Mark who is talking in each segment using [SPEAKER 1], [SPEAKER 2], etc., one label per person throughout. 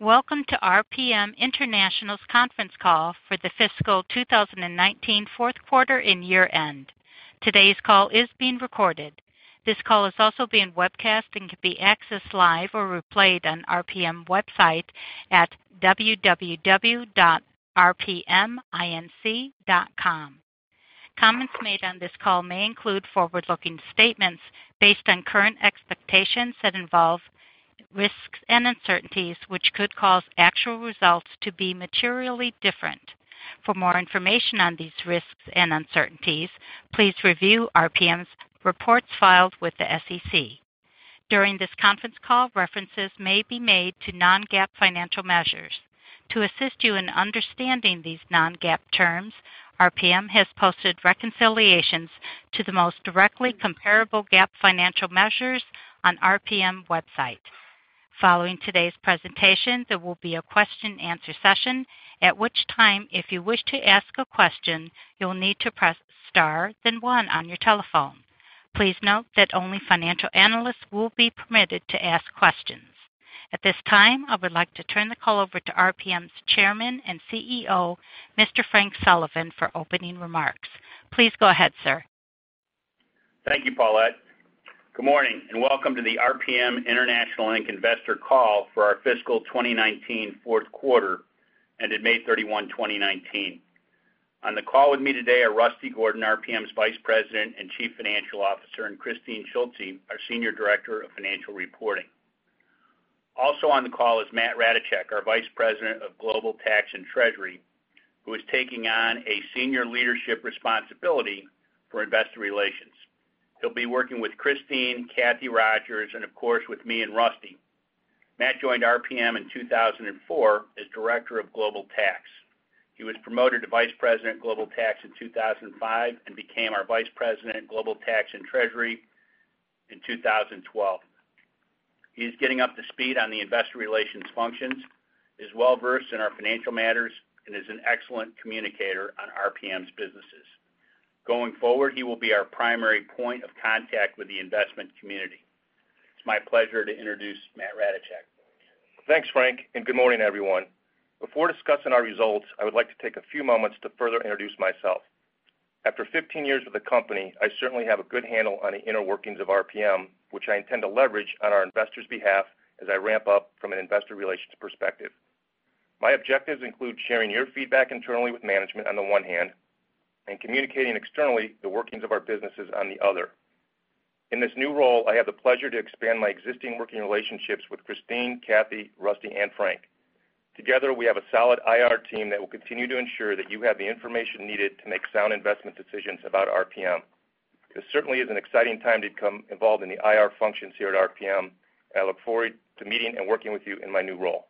[SPEAKER 1] Welcome to RPM International's conference call for the fiscal 2019 fourth quarter and year-end. Today's call is being recorded. This call is also being webcast and can be accessed live or replayed on RPM website at www.rpminc.com. Comments made on this call may include forward-looking statements based on current expectations that involve risks and uncertainties, which could cause actual results to be materially different. For more information on these risks and uncertainties, please review RPM's reports filed with the SEC. During this conference call, references may be made to non-GAAP financial measures. To assist you in understanding these non-GAAP terms, RPM has posted reconciliations to the most directly comparable GAAP financial measures on RPM website. Following today's presentation, there will be a question and answer session, at which time, if you wish to ask a question, you'll need to press star, then one on your telephone. Please note that only financial analysts will be permitted to ask questions. At this time, I would like to turn the call over to RPM's Chairman and CEO, Mr. Frank Sullivan, for opening remarks. Please go ahead, sir.
[SPEAKER 2] Thank you, Paulette. Good morning, and welcome to the RPM International Inc investor call for our fiscal 2019 fourth quarter ended May 31, 2019. On the call with me today are Rusty Gordon, RPM's Vice President and Chief Financial Officer, and Kristine Schulze, our Senior Director of Financial Reporting. Also on the call is Matthew Ratajczak, our Vice President of Global Tax and Treasury, who is taking on a senior leadership responsibility for investor relations. He'll be working with Kristine, Kathie Rogers, and of course, with me and Rusty. Matt joined RPM in 2004 as Director of Global Tax. He was promoted to Vice President, Global Tax in 2005 and became our Vice President, Global Tax and Treasury in 2012. He's getting up to speed on the investor relations functions, is well-versed in our financial matters, and is an excellent communicator on RPM's businesses. Going forward, he will be our primary point of contact with the investment community. It's my pleasure to introduce Matthew Ratajczak.
[SPEAKER 3] Thanks, Frank, and good morning, everyone. Before discussing our results, I would like to take a few moments to further introduce myself. After 15 years with the company, I certainly have a good handle on the inner workings of RPM, which I intend to leverage on our investors' behalf as I ramp up from an investor relations perspective. My objectives include sharing your feedback internally with management on the one hand and communicating externally the workings of our businesses on the other. In this new role, I have the pleasure to expand my existing working relationships with Kristine, Kathie, Rusty, and Frank. Together, we have a solid IR team that will continue to ensure that you have the information needed to make sound investment decisions about RPM. This certainly is an exciting time to become involved in the IR functions here at RPM. I look forward to meeting and working with you in my new role.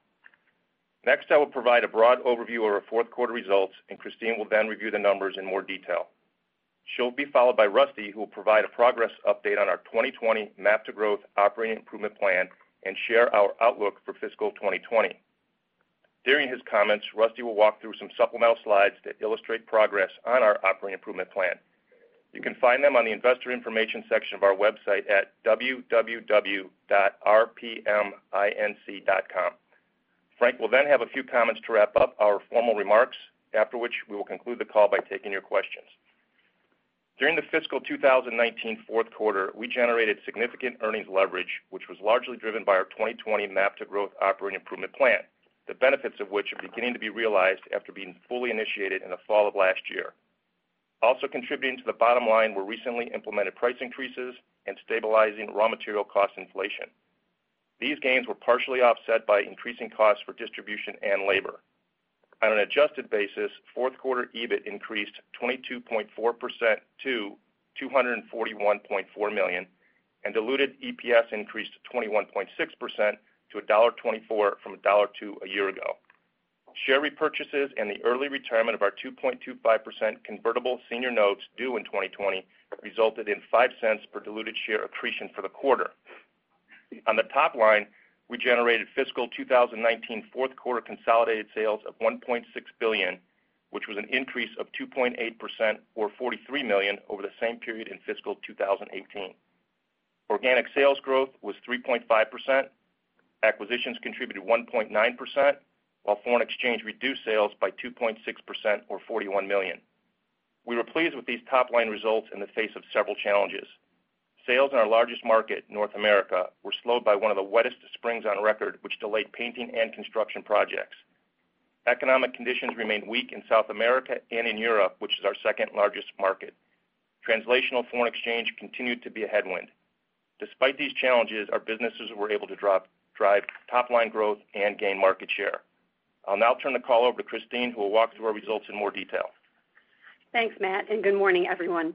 [SPEAKER 3] Next, I will provide a broad overview of our fourth quarter results, and Kristine will then review the numbers in more detail. She'll be followed by Rusty, who will provide a progress update on our 2020 MAP to Growth operating improvement plan and share our outlook for fiscal 2020. During his comments, Rusty will walk through some supplemental slides that illustrate progress on our operating improvement plan. You can find them on the investor information section of our website at www.rpminc.com. Frank will then have a few comments to wrap up our formal remarks, after which we will conclude the call by taking your questions. During the fiscal 2019 fourth quarter, we generated significant earnings leverage, which was largely driven by our 2020 MAP to Growth operating improvement plan, the benefits of which are beginning to be realized after being fully initiated in the fall of last year. Also contributing to the bottom line were recently implemented price increases and stabilizing raw material cost inflation. These gains were partially offset by increasing costs for distribution and labor. On an adjusted basis, fourth quarter EBIT increased 22.4% to $241.4 million, and diluted EPS increased 21.6% to $1.24 from $1.02 a year ago. Share repurchases and the early retirement of our 2.25% convertible senior notes due in 2020 resulted in $0.05 per diluted share accretion for the quarter. On the top line, we generated fiscal 2019 fourth quarter consolidated sales of $1.6 billion, which was an increase of 2.8% or $43 million over the same period in fiscal 2018. Organic sales growth was 3.5%. Acquisitions contributed 1.9%, while foreign exchange reduced sales by 2.6% or $41 million. We were pleased with these top-line results in the face of several challenges. Sales in our largest market, North America, were slowed by one of the wettest springs on record, which delayed painting and construction projects. Economic conditions remained weak in South America and in Europe, which is our second largest market. Translational foreign exchange continued to be a headwind. Despite these challenges, our businesses were able to drive top-line growth and gain market share. I'll now turn the call over to Kristine, who will walk through our results in more detail.
[SPEAKER 4] Thanks, Matt, and good morning, everyone.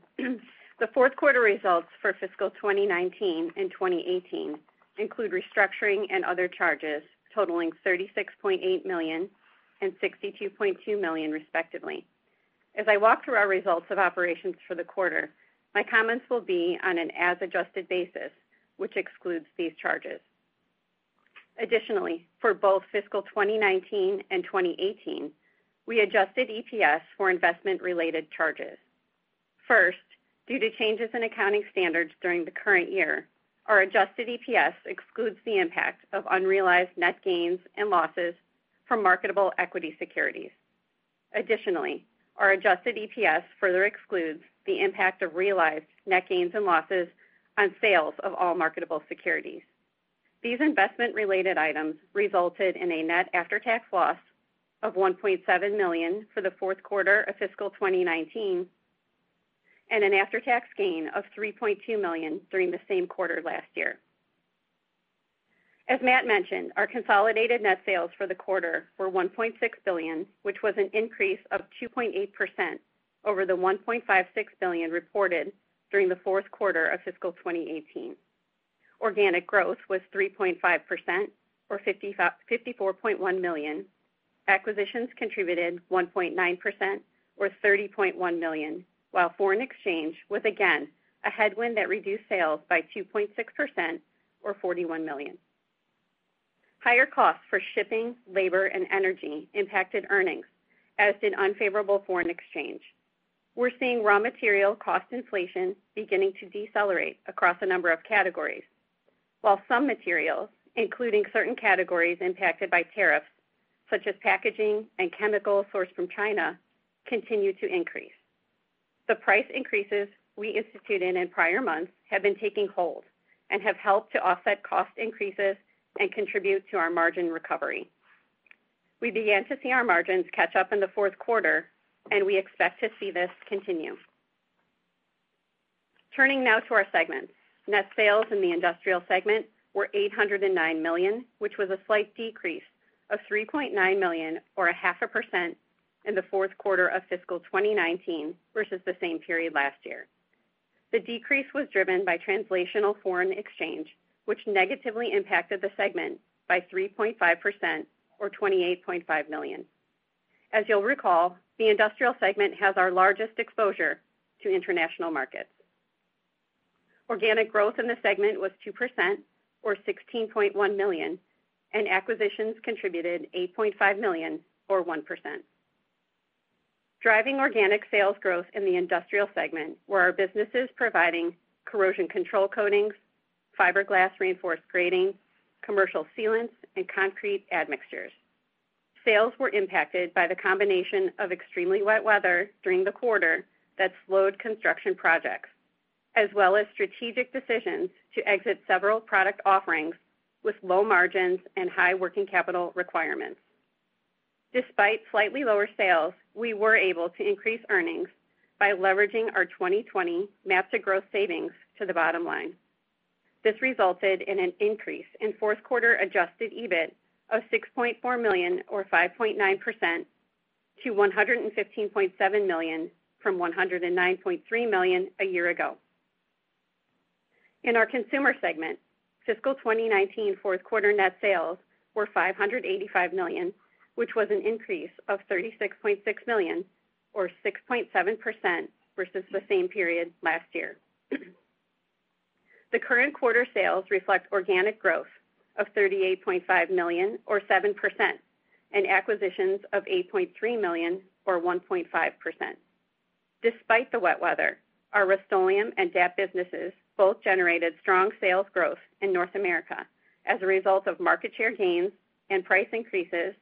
[SPEAKER 4] The fourth quarter results for fiscal 2019 and 2018 include restructuring and other charges totaling $36.8 million and $62.2 million respectively. As I walk through our results of operations for the quarter, my comments will be on an as-adjusted basis, which excludes these charges. Additionally, for both fiscal 2019 and 2018, we adjusted EPS for investment-related charges. First, due to changes in accounting standards during the current year, our adjusted EPS excludes the impact of unrealized net gains and losses from marketable equity securities. Additionally, our adjusted EPS further excludes the impact of realized net gains and losses on sales of all marketable securities. These investment-related items resulted in a net after-tax loss of $1.7 million for the fourth quarter of fiscal 2019, and an after-tax gain of $3.2 million during the same quarter last year. As Matt mentioned, our consolidated net sales for the quarter were $1.6 billion, which was an increase of 2.8% over the $1.56 billion reported during the fourth quarter of fiscal 2018. Organic growth was 3.5%, or $54.1 million. Acquisitions contributed 1.9%, or $30.1 million. Foreign exchange was again, a headwind that reduced sales by 2.6%, or $41 million. Higher costs for shipping, labor, and energy impacted earnings, as did unfavorable foreign exchange. We're seeing raw material cost inflation beginning to decelerate across a number of categories. Some materials, including certain categories impacted by tariffs, such as packaging and chemicals sourced from China, continue to increase. The price increases we instituted in prior months have been taking hold and have helped to offset cost increases and contribute to our margin recovery. We began to see our margins catch up in the fourth quarter. We expect to see this continue. Turning now to our segments. Net sales in the industrial segment were $809 million, which was a slight decrease of $3.9 million or 0.5% in the fourth quarter of fiscal 2019 versus the same period last year. The decrease was driven by translational foreign exchange, which negatively impacted the segment by 3.5%, or $28.5 million. As you'll recall, the industrial segment has our largest exposure to international markets. Organic growth in the segment was 2%, or $16.1 million. Acquisitions contributed $8.5 million or 1%. Driving organic sales growth in the industrial segment were our businesses providing corrosion control coatings, fiberglass reinforced grating, commercial sealants, and concrete admixtures. Sales were impacted by the combination of extremely wet weather during the quarter that slowed construction projects, as well as strategic decisions to exit several product offerings with low margins and high working capital requirements. Despite slightly lower sales, we were able to increase earnings by leveraging our 2020 MAP to Growth savings to the bottom line. This resulted in an increase in fourth quarter adjusted EBIT of $6.4 million or 5.9% to $115.7 million from $109.3 million a year ago. In our consumer segment, fiscal 2019 fourth quarter net sales were $585 million, which was an increase of $36.6 million or 6.7% versus the same period last year. The current quarter sales reflect organic growth of $38.5 million or 7%, and acquisitions of $8.3 million or 1.5%. Despite the wet weather, our Rust-Oleum and DAP businesses both generated strong sales growth in North America as a result of market share gains and price increases,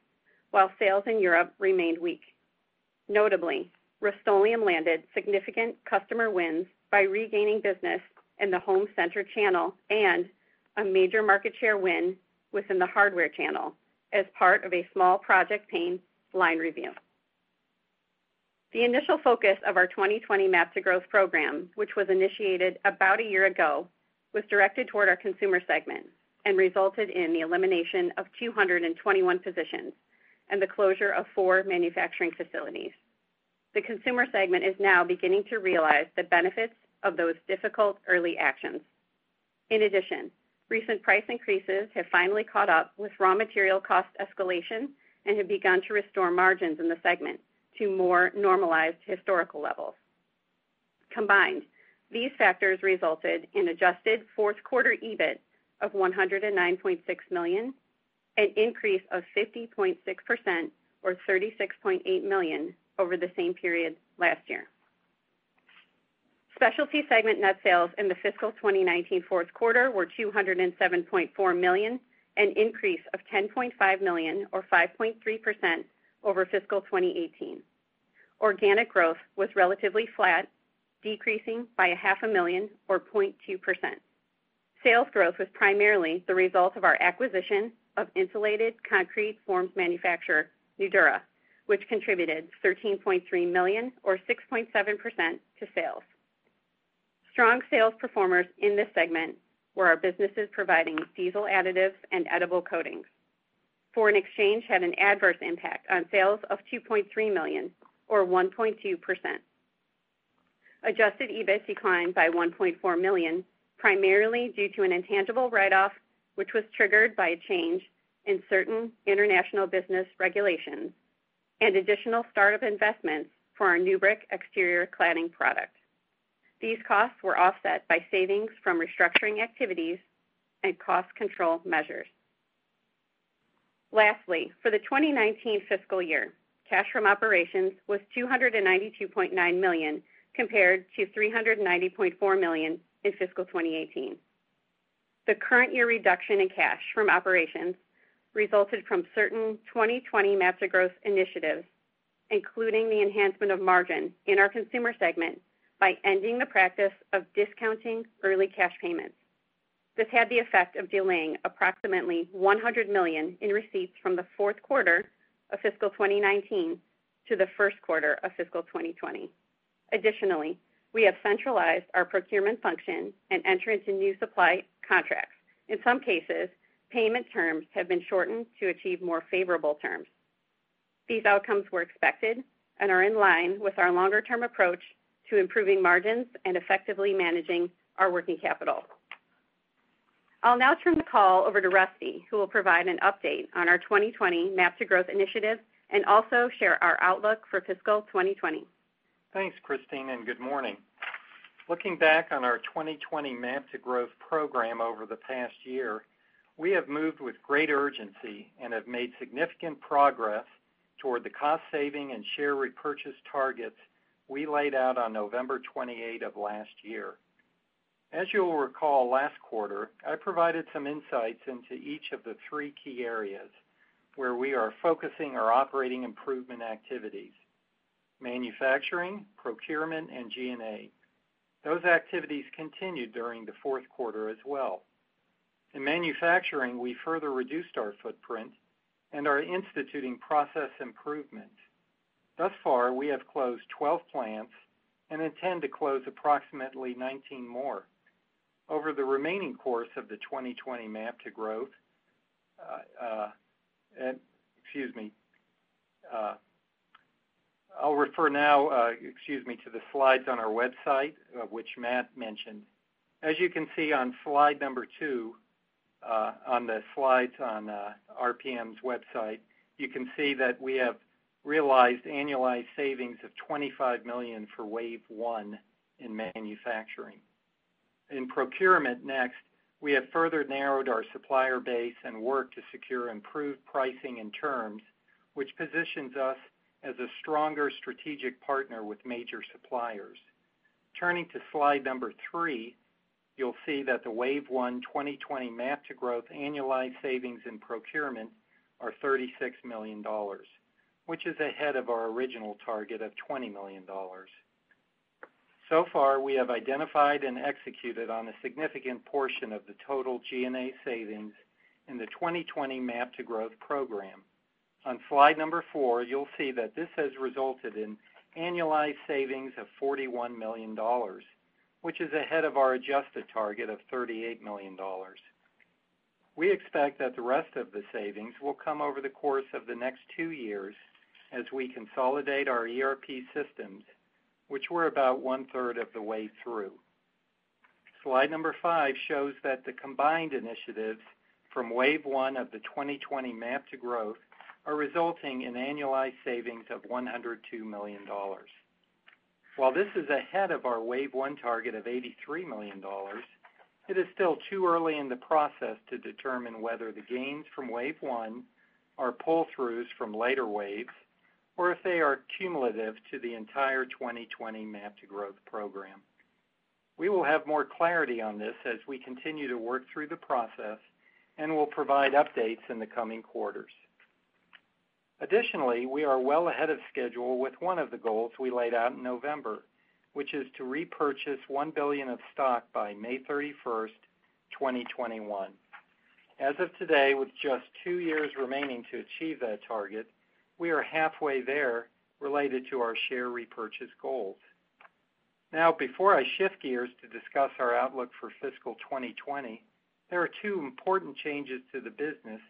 [SPEAKER 4] while sales in Europe remained weak. Notably, Rust-Oleum landed significant customer wins by regaining business in the home center channel and a major market share win within the hardware channel as part of a small project paint line review. The initial focus of our 2020 MAP to Growth program, which was initiated about a year ago, was directed toward our consumer segment and resulted in the elimination of 221 positions and the closure of four manufacturing facilities. The consumer segment is now beginning to realize the benefits of those difficult early actions. In addition, recent price increases have finally caught up with raw material cost escalation and have begun to restore margins in the segment to more normalized historical levels. Combined, these factors resulted in adjusted fourth quarter EBIT of $109.6 million, an increase of 50.6% or $36.8 million over the same period last year. Specialty segment net sales in the fiscal 2019 fourth quarter were $207.4 million, an increase of $10.5 million or 5.3% over fiscal 2018. Organic growth was relatively flat, decreasing by a half a million or 0.2%. Sales growth was primarily the result of our acquisition of insulated concrete forms manufacturer, Nudura, which contributed $13.3 million or 6.7% to sales. Strong sales performers in this segment were our businesses providing diesel additives and edible coatings. Foreign exchange had an adverse impact on sales of $2.3 million or 1.2%. Adjusted EBIT declined by $1.4 million, primarily due to an intangible write-off, which was triggered by a change in certain international business regulations and additional startup investments for our NewBrick exterior cladding product. These costs were offset by savings from restructuring activities and cost control measures. Lastly, for the 2019 fiscal year, cash from operations was $292.9 million, compared to $390.4 million in fiscal 2018. The current year reduction in cash from operations resulted from certain 2020 MAP to Growth initiatives, including the enhancement of margin in our Consumer Group by ending the practice of discounting early cash payments. This had the effect of delaying approximately $100 million in receipts from the fourth quarter of fiscal 2019 to the first quarter of fiscal 2020. Additionally, we have centralized our procurement function and entrance into new supply contracts. In some cases, payment terms have been shortened to achieve more favorable terms. These outcomes were expected and are in line with our longer-term approach to improving margins and effectively managing our working capital. I'll now turn the call over to Rusty, who will provide an update on our 2020 MAP to Growth initiative and also share our outlook for fiscal 2020.
[SPEAKER 5] Thanks, Kristine, and good morning. Looking back on our 2020 MAP to Growth program over the past year, we have moved with great urgency and have made significant progress toward the cost-saving and share repurchase targets we laid out on November 28 of last year. As you will recall, last quarter, I provided some insights into each of the three key areas where we are focusing our operating improvement activities, manufacturing, procurement, and G&A. Those activities continued during the fourth quarter as well. In manufacturing, we further reduced our footprint and are instituting process improvement. Thus far, we have closed 12 plants and intend to close approximately 19 more. Over the remaining course of the 2020 MAP to Growth, excuse me. I'll refer now to the slides on our website, which Matt mentioned. As you can see on slide two on the slides on RPM's website, you can see that we have realized annualized savings of $25 million for wave one in manufacturing. In procurement, next, we have further narrowed our supplier base and worked to secure improved pricing and terms, which positions us as a stronger strategic partner with major suppliers. Turning to slide three, you'll see that the wave one 2020 MAP to Growth annualized savings in procurement are $36 million, which is ahead of our original target of $20 million. So far, we have identified and executed on a significant portion of the total G&A savings in the 2020 MAP to Growth program. On slide four, you'll see that this has resulted in annualized savings of $41 million, which is ahead of our adjusted target of $38 million. We expect that the rest of the savings will come over the course of the next two years as we consolidate our ERP systems, which we're about 1/3 of the way through. Slide number five shows that the combined initiatives from wave one of the 2020 MAP to Growth are resulting in annualized savings of $102 million. This is ahead of our wave one target of $83 million, it is still too early in the process to determine whether the gains from wave one are pull-throughs from later waves, or if they are cumulative to the entire 2020 MAP to Growth program. We will have more clarity on this as we continue to work through the process and will provide updates in the coming quarters. Additionally, we are well ahead of schedule with one of the goals we laid out in November, which is to repurchase $1 billion of stock by May 31st, 2021. As of today, with just two years remaining to achieve that target, we are halfway there related to our share repurchase goals. Now, before I shift gears to discuss our outlook for fiscal 2020, there are two important changes to the business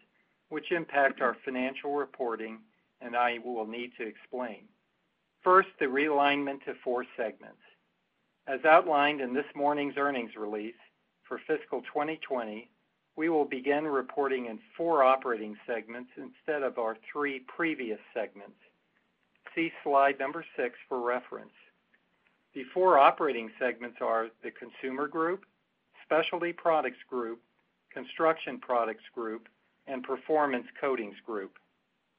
[SPEAKER 5] which impact our financial reporting, and I will need to explain. First, the realignment to four segments. As outlined in this morning's earnings release, for fiscal 2020, we will begin reporting in four operating segments instead of our three previous segments. See slide number six for reference. The four operating segments are the Consumer Group, Specialty Products Group, Construction Products Group, and Performance Coatings Group.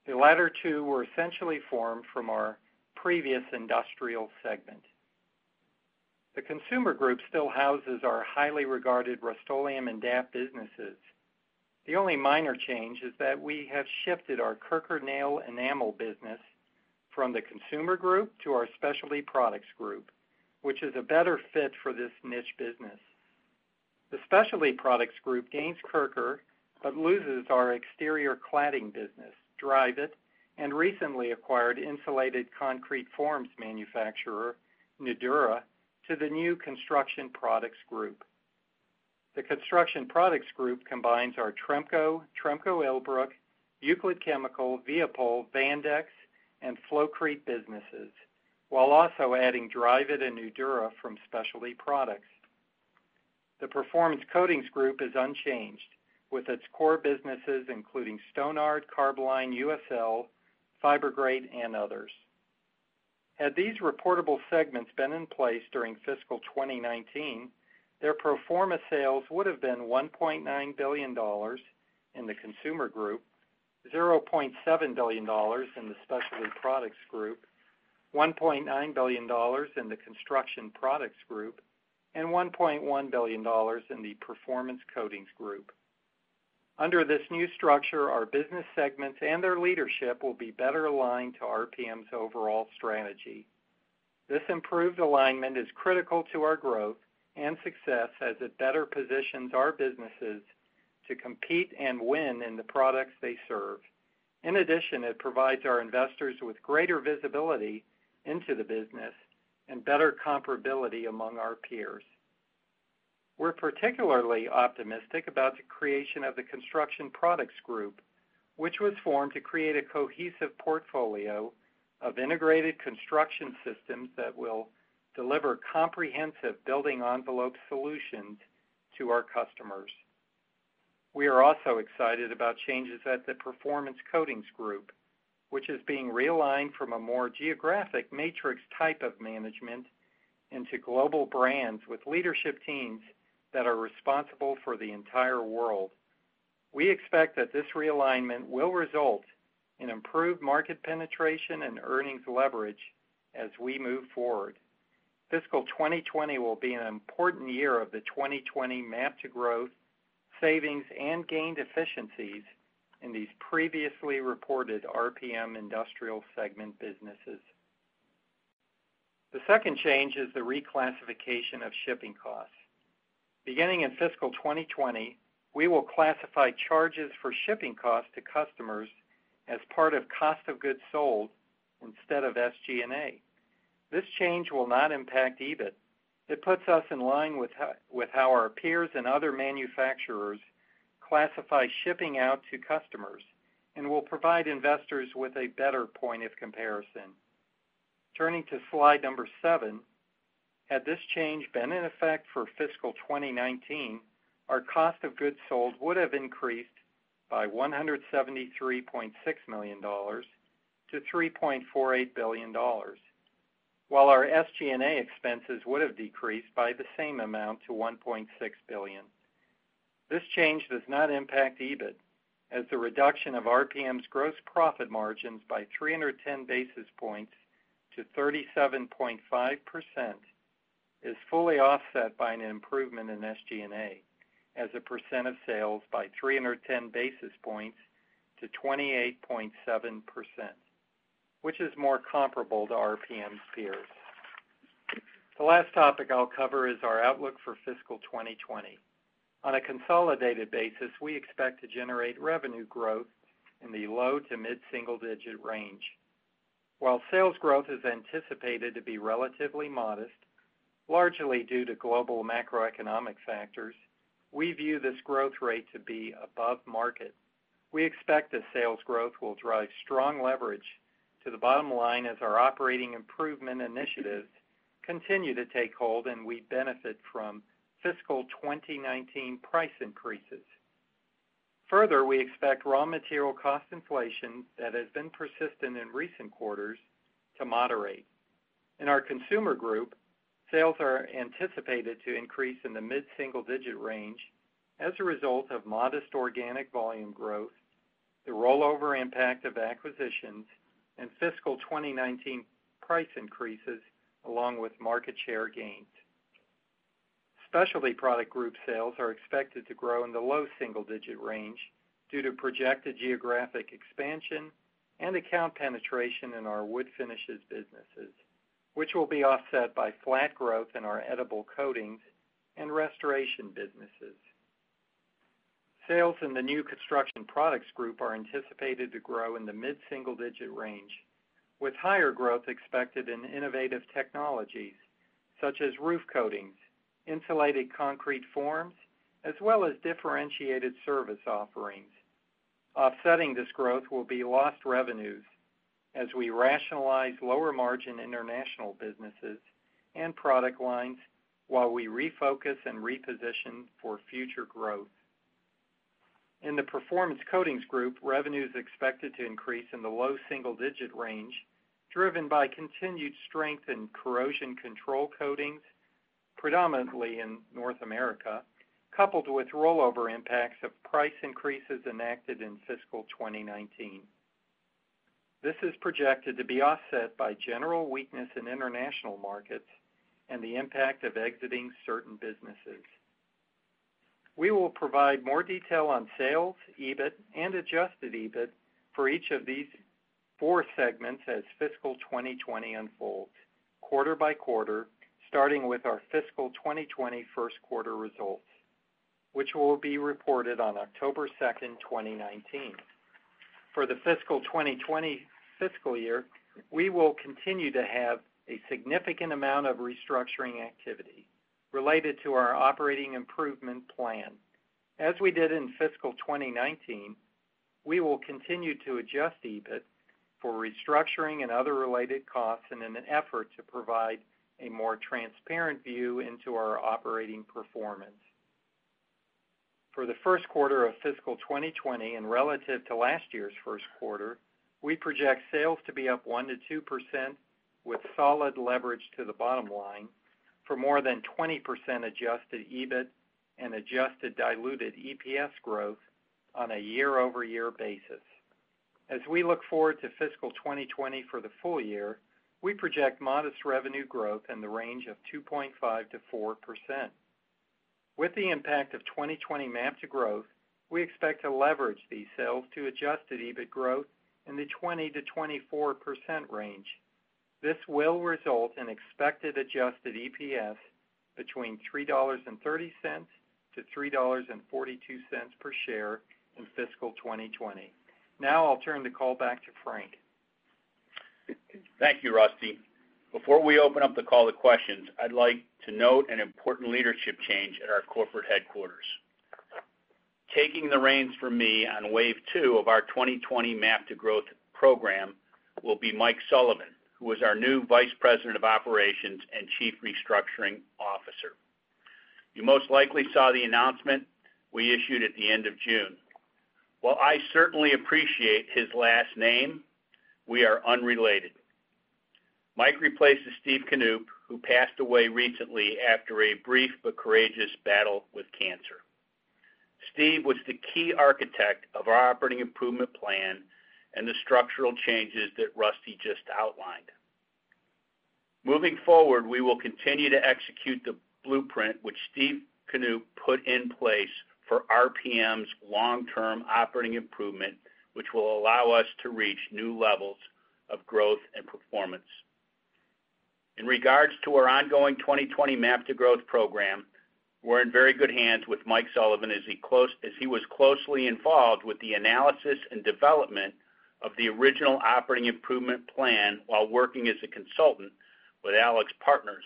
[SPEAKER 5] The latter two were essentially formed from our previous industrial segment. The Consumer Group still houses our highly regarded Rust-Oleum and DAP businesses. The only minor change is that we have shifted our Kirker nail enamel business from the Consumer Group to our Specialty Products Group, which is a better fit for this niche business. The Specialty Products Group gains Kirker, but loses our exterior cladding business, Dryvit, and recently acquired insulated concrete forms manufacturer, Nudura, to the new Construction Products Group. The Construction Products Group combines our Tremco illbruck, Euclid Chemical, Viapol, Vandex, and Flowcrete businesses, while also adding Dryvit and Nudura from Specialty Products. The Performance Coatings Group is unchanged, with its core businesses including Stonhard, Carboline, USL, Fibergrate, and others. Had these reportable segments been in place during fiscal 2019, their pro forma sales would've been $1.9 billion in the Consumer Group, $0.7 billion in the Specialty Products Group, $1.9 billion in the Construction Products Group, and $1.1 billion in the Performance Coatings Group. Under this new structure, our business segments and their leadership will be better aligned to RPM's overall strategy. This improved alignment is critical to our growth and success as it better positions our businesses to compete and win in the products they serve. In addition, it provides our investors with greater visibility into the business and better comparability among our peers. We're particularly optimistic about the creation of the Construction Products Group, which was formed to create a cohesive portfolio of integrated construction systems that will deliver comprehensive building envelope solutions to our customers. We are also excited about changes at the Performance Coatings Group, which is being realigned from a more geographic matrix type of management into global brands with leadership teams that are responsible for the entire world. We expect that this realignment will result in improved market penetration and earnings leverage as we move forward. Fiscal 2020 will be an important year of the 2020 MAP to Growth savings and gained efficiencies in these previously reported RPM Industrial segment businesses. The second change is the reclassification of shipping costs. Beginning in Fiscal 2020, we will classify charges for shipping costs to customers as part of cost of goods sold instead of SG&A. This change will not impact EBIT. It puts us in line with how our peers and other manufacturers classify shipping out to customers and will provide investors with a better point of comparison. Turning to slide number seven, had this change been in effect for fiscal 2019, our cost of goods sold would've increased by $173.6 million to $3.48 billion, while our SG&A expenses would've decreased by the same amount to $1.6 billion. This change does not impact EBIT, as the reduction of RPM's gross profit margins by 310 basis points to 37.5% is fully offset by an improvement in SG&A as a percent of sales by 310 basis points to 28.7%, which is more comparable to RPM's peers. The last topic I'll cover is our outlook for fiscal 2020. On a consolidated basis, we expect to generate revenue growth in the low to mid-single-digit range. While sales growth is anticipated to be relatively modest, largely due to global macroeconomic factors, we view this growth rate to be above market. We expect that sales growth will drive strong leverage to the bottom line as our operating improvement initiatives continue to take hold, and we benefit from fiscal 2019 price increases. Further, we expect raw material cost inflation that has been persistent in recent quarters to moderate. In our Consumer Group, sales are anticipated to increase in the mid-single-digit range as a result of modest organic volume growth, the rollover impact of acquisitions, and fiscal 2019 price increases along with market share gains. Specialty Products Group sales are expected to grow in the low single-digit range due to projected geographic expansion and account penetration in our wood finishes businesses, which will be offset by flat growth in our edible coatings and restoration businesses. Sales in the new Construction Products Group are anticipated to grow in the mid-single-digit range, with higher growth expected in innovative technologies such as roof coatings, insulated concrete forms, as well as differentiated service offerings. Offsetting this growth will be lost revenues as we rationalize lower margin international businesses and product lines while we refocus and reposition for future growth. In the Performance Coatings Group, revenue is expected to increase in the low single-digit range, driven by continued strength in corrosion control coatings, predominantly in North America, coupled with rollover impacts of price increases enacted in fiscal 2019. This is projected to be offset by general weakness in international markets and the impact of exiting certain businesses. We will provide more detail on sales, EBIT, and adjusted EBIT for each of these four segments as fiscal 2020 unfolds quarter by quarter, starting with our fiscal 2020 first quarter results, which will be reported on October 2nd, 2019. For the fiscal 2020 fiscal year, we will continue to have a significant amount of restructuring activity related to our operating improvement plan. As we did in fiscal 2019, we will continue to adjust EBIT for restructuring and other related costs and in an effort to provide a more transparent view into our operating performance. For the first quarter of fiscal 2020 and relative to last year's first quarter, we project sales to be up 1%-2%, with solid leverage to the bottom line for more than 20% adjusted EBIT and adjusted diluted EPS growth on a year-over-year basis. As we look forward to fiscal 2020 for the full year, we project modest revenue growth in the range of 2.5%-4%. With the impact of 2020 MAP to Growth, we expect to leverage these sales to adjusted EBIT growth in the 20%-24% range. This will result in expected adjusted EPS between $3.30-$3.42 per share in fiscal 2020. I'll turn the call back to Frank.
[SPEAKER 2] Thank you, Rusty. Before we open up the call to questions, I'd like to note an important leadership change at our corporate headquarters. Taking the reins for me on Wave two of our 2020 MAP to Growth program will be Mike Sullivan, who is our new Vice President of Operations and Chief Restructuring Officer. You most likely saw the announcement we issued at the end of June. While I certainly appreciate his last name, we are unrelated. Mike replaces Steve Knoop, who passed away recently after a brief but courageous battle with cancer. Steve was the key architect of our operating improvement plan and the structural changes that Rusty just outlined. Moving forward, we will continue to execute the blueprint which Steve Knoop put in place for RPM's long-term operating improvement, which will allow us to reach new levels of growth and performance. In regards to our ongoing 2020 MAP to Growth program, we're in very good hands with Mike Sullivan, as he was closely involved with the analysis and development of the original operating improvement plan while working as a consultant with AlixPartners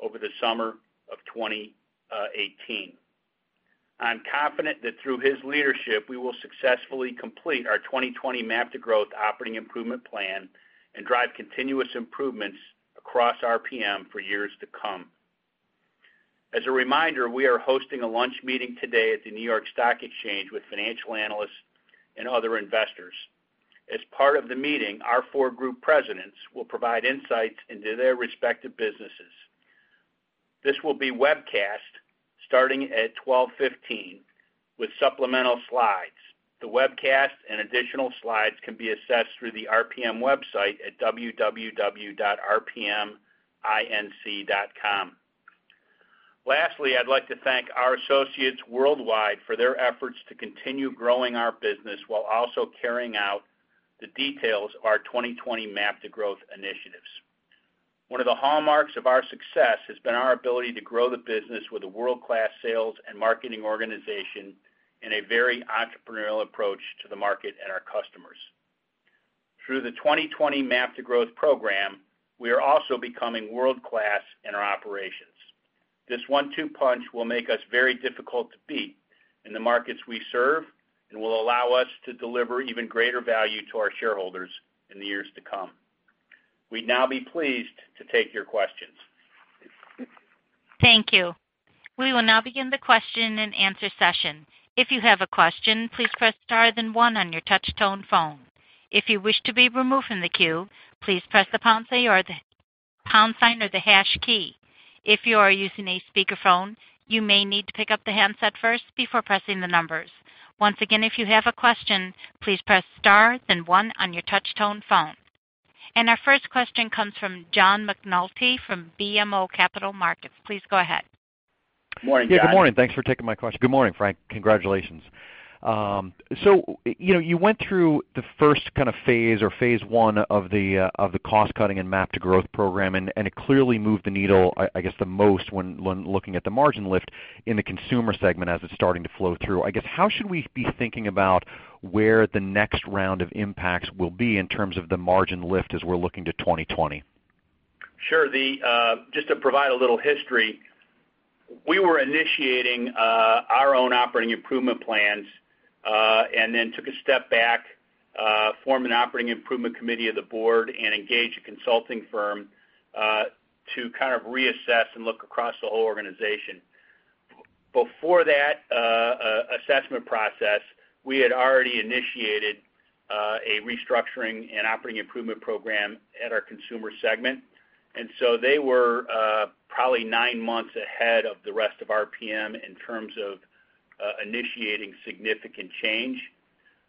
[SPEAKER 2] over the summer of 2018. I'm confident that through his leadership, we will successfully complete our 2020 MAP to Growth operating improvement plan and drive continuous improvements across RPM for years to come. As a reminder, we are hosting a lunch meeting today at the New York Stock Exchange with financial analysts and other investors. As part of the meeting, our four group presidents will provide insights into their respective businesses. This will be webcast starting at 12:15 P.M. with supplemental slides. The webcast and additional slides can be accessed through the RPM website at www.rpminc.com. Lastly, I'd like to thank our associates worldwide for their efforts to continue growing our business while also carrying out the details of our 2020 MAP to Growth initiatives. One of the hallmarks of our success has been our ability to grow the business with a world-class sales and marketing organization and a very entrepreneurial approach to the market and our customers. Through the 2020 MAP to Growth program, we are also becoming world-class in our operations. This one-two punch will make us very difficult to beat in the markets we serve and will allow us to deliver even greater value to our shareholders in the years to come. We'd now be pleased to take your questions.
[SPEAKER 1] Thank you. We will now begin the question and answer session. If you have a question, please press star then one on your touch tone phone. If you wish to be removed from the queue, please press the pound sign or the hash key. If you are using a speakerphone, you may need to pick up the handset first before pressing the numbers. Once again, if you have a question, please press star then one on your touch tone phone. Our first question comes from John McNulty from BMO Capital Markets. Please go ahead.
[SPEAKER 2] Morning, John.
[SPEAKER 6] Yeah, good morning. Thanks for taking my question. Good morning, Frank. Congratulations. You went through the first kind of phase or phase I of the cost-cutting and MAP to Growth program, and it clearly moved the needle, I guess, the most when looking at the margin lift in the consumer segment as it's starting to flow through. I guess, how should we be thinking about where the next round of impacts will be in terms of the margin lift as we're looking to 2020?
[SPEAKER 2] Sure. Just to provide a little history, we were initiating our own operating improvement plans, then took a step back, form an operating improvement committee of the board, and engage a consulting firm to kind of reassess and look across the whole organization. Before that assessment process, we had already initiated a restructuring and operating improvement program at our Consumer segment. So they were probably nine months ahead of the rest of RPM in terms of initiating significant change.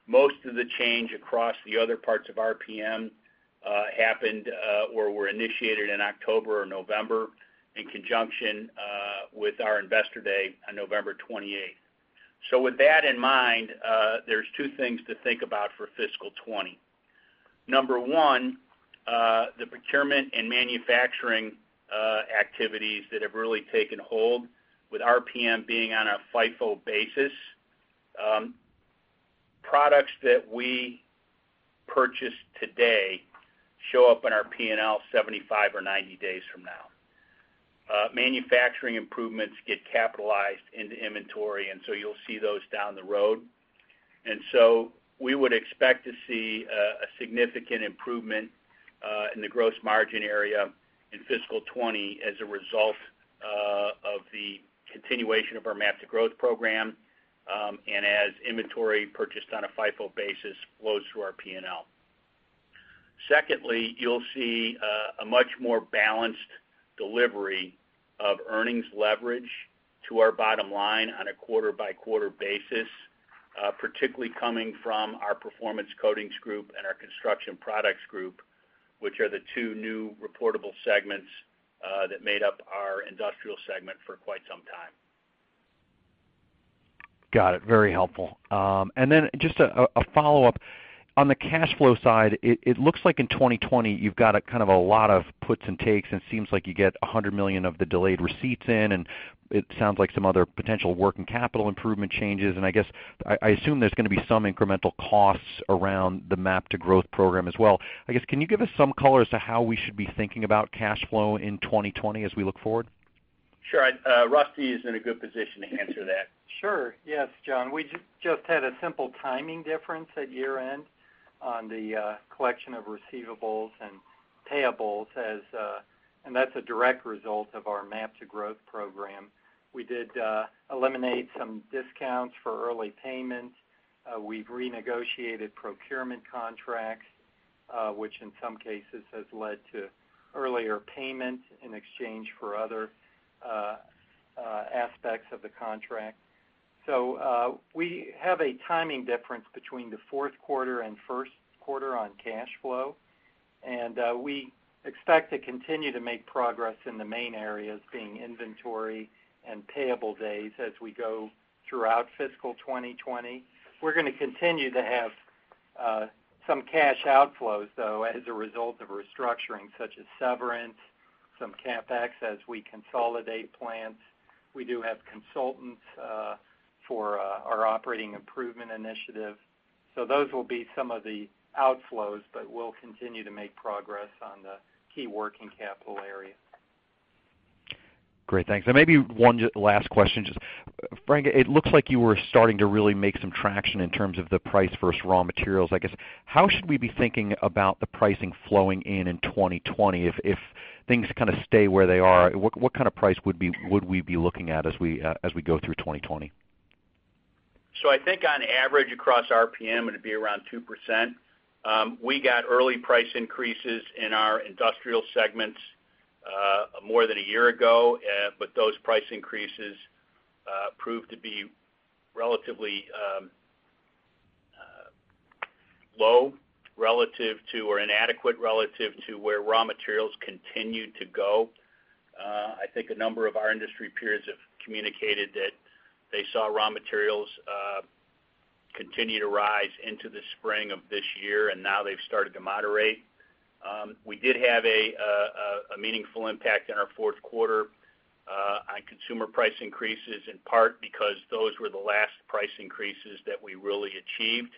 [SPEAKER 2] Most of the change across the other parts of RPM happened or were initiated in October or November in conjunction with our Investor Day on November 28th. With that in mind, there's two things to think about for fiscal 2020. Number one, the procurement and manufacturing activities that have really taken hold with RPM being on a FIFO basis. Products that we today show up in our P&L 75 or 90 days from now. Manufacturing improvements get capitalized into inventory. You'll see those down the road. We would expect to see a significant improvement in the gross margin area in fiscal 2020 as a result of the continuation of our MAP to Growth program, and as inventory purchased on a FIFO basis flows through our P&L. Secondly, you'll see a much more balanced delivery of earnings leverage to our bottom line on a quarter-by-quarter basis, particularly coming from our Performance Coatings Group and our Construction Products Group, which are the two new reportable segments that made up our industrial segment for quite some time.
[SPEAKER 6] Got it. Very helpful. Just a follow-up. On the cash flow side, it looks like in 2020, you've got a lot of puts and takes, and it seems like you get $100 million of the delayed receipts in, and it sounds like some other potential work and capital improvement changes. I assume there's going to be some incremental costs around the MAP to Growth program as well. I guess, can you give us some color as to how we should be thinking about cash flow in 2020 as we look forward?
[SPEAKER 2] Sure. Rusty is in a good position to answer that.
[SPEAKER 5] Sure. Yes, John. We just had a simple timing difference at year-end on the collection of receivables and payables, and that's a direct result of our MAP to Growth program. We did eliminate some discounts for early payments. We've renegotiated procurement contracts, which in some cases has led to earlier payments in exchange for other aspects of the contract. We have a timing difference between the fourth quarter and first quarter on cash flow, and we expect to continue to make progress in the main areas, being inventory and payable days, as we go throughout fiscal 2020. We're going to continue to have some cash outflows, though, as a result of restructuring, such as severance, some CapEx as we consolidate plants. We do have consultants for our operating improvement initiative. Those will be some of the outflows, but we'll continue to make progress on the key working capital areas.
[SPEAKER 6] Great. Thanks. Maybe one last question. Frank, it looks like you were starting to really make some traction in terms of the price versus raw materials. I guess, how should we be thinking about the pricing flowing in in 2020? If things kind of stay where they are, what kind of price would we be looking at as we go through 2020?
[SPEAKER 2] I think on average across RPM, it'd be around 2%. We got early price increases in our industrial segments more than a year ago, but those price increases proved to be relatively low relative to, or inadequate relative to where raw materials continued to go. I think a number of our industry peers have communicated that they saw raw materials continue to rise into the spring of this year, and now they've started to moderate. We did have a meaningful impact in our fourth quarter on consumer price increases, in part because those were the last price increases that we really achieved,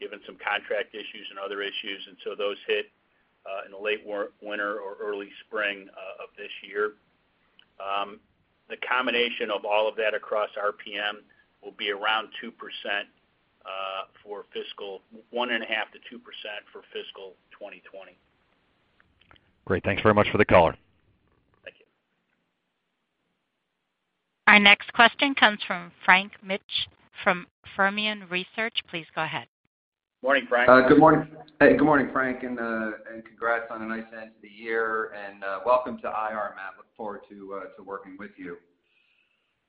[SPEAKER 2] given some contract issues and other issues, and so those hit in the late winter or early spring of this year. The combination of all of that across RPM will be 1.5%-2% for fiscal 2020.
[SPEAKER 6] Great. Thanks very much for the color.
[SPEAKER 2] Thank you.
[SPEAKER 1] Our next question comes from Frank Mitsch from Fermium Research. Please go ahead.
[SPEAKER 2] Morning, Frank.
[SPEAKER 7] Good morning, Frank, and congrats on a nice end to the year, and welcome to IR, Matt. Look forward to working with you.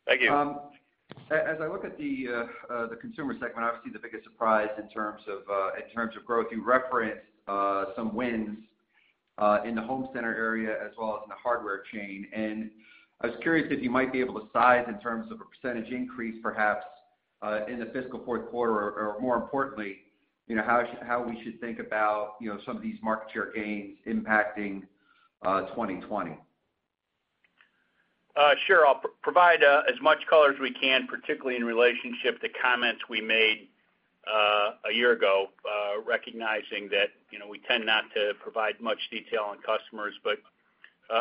[SPEAKER 2] Thank you.
[SPEAKER 5] As I look at the consumer segment, obviously the biggest surprise in terms of growth, you referenced some wins in the home center area as well as in the hardware chain. I was curious if you might be able to size in terms of a percentage increase, perhaps, in the fiscal fourth quarter, or more importantly, how we should think about some of these market share gains impacting 2020.
[SPEAKER 2] Sure. I'll provide as much color as we can, particularly in relationship to comments we made a year ago recognizing that we tend not to provide much detail on customers.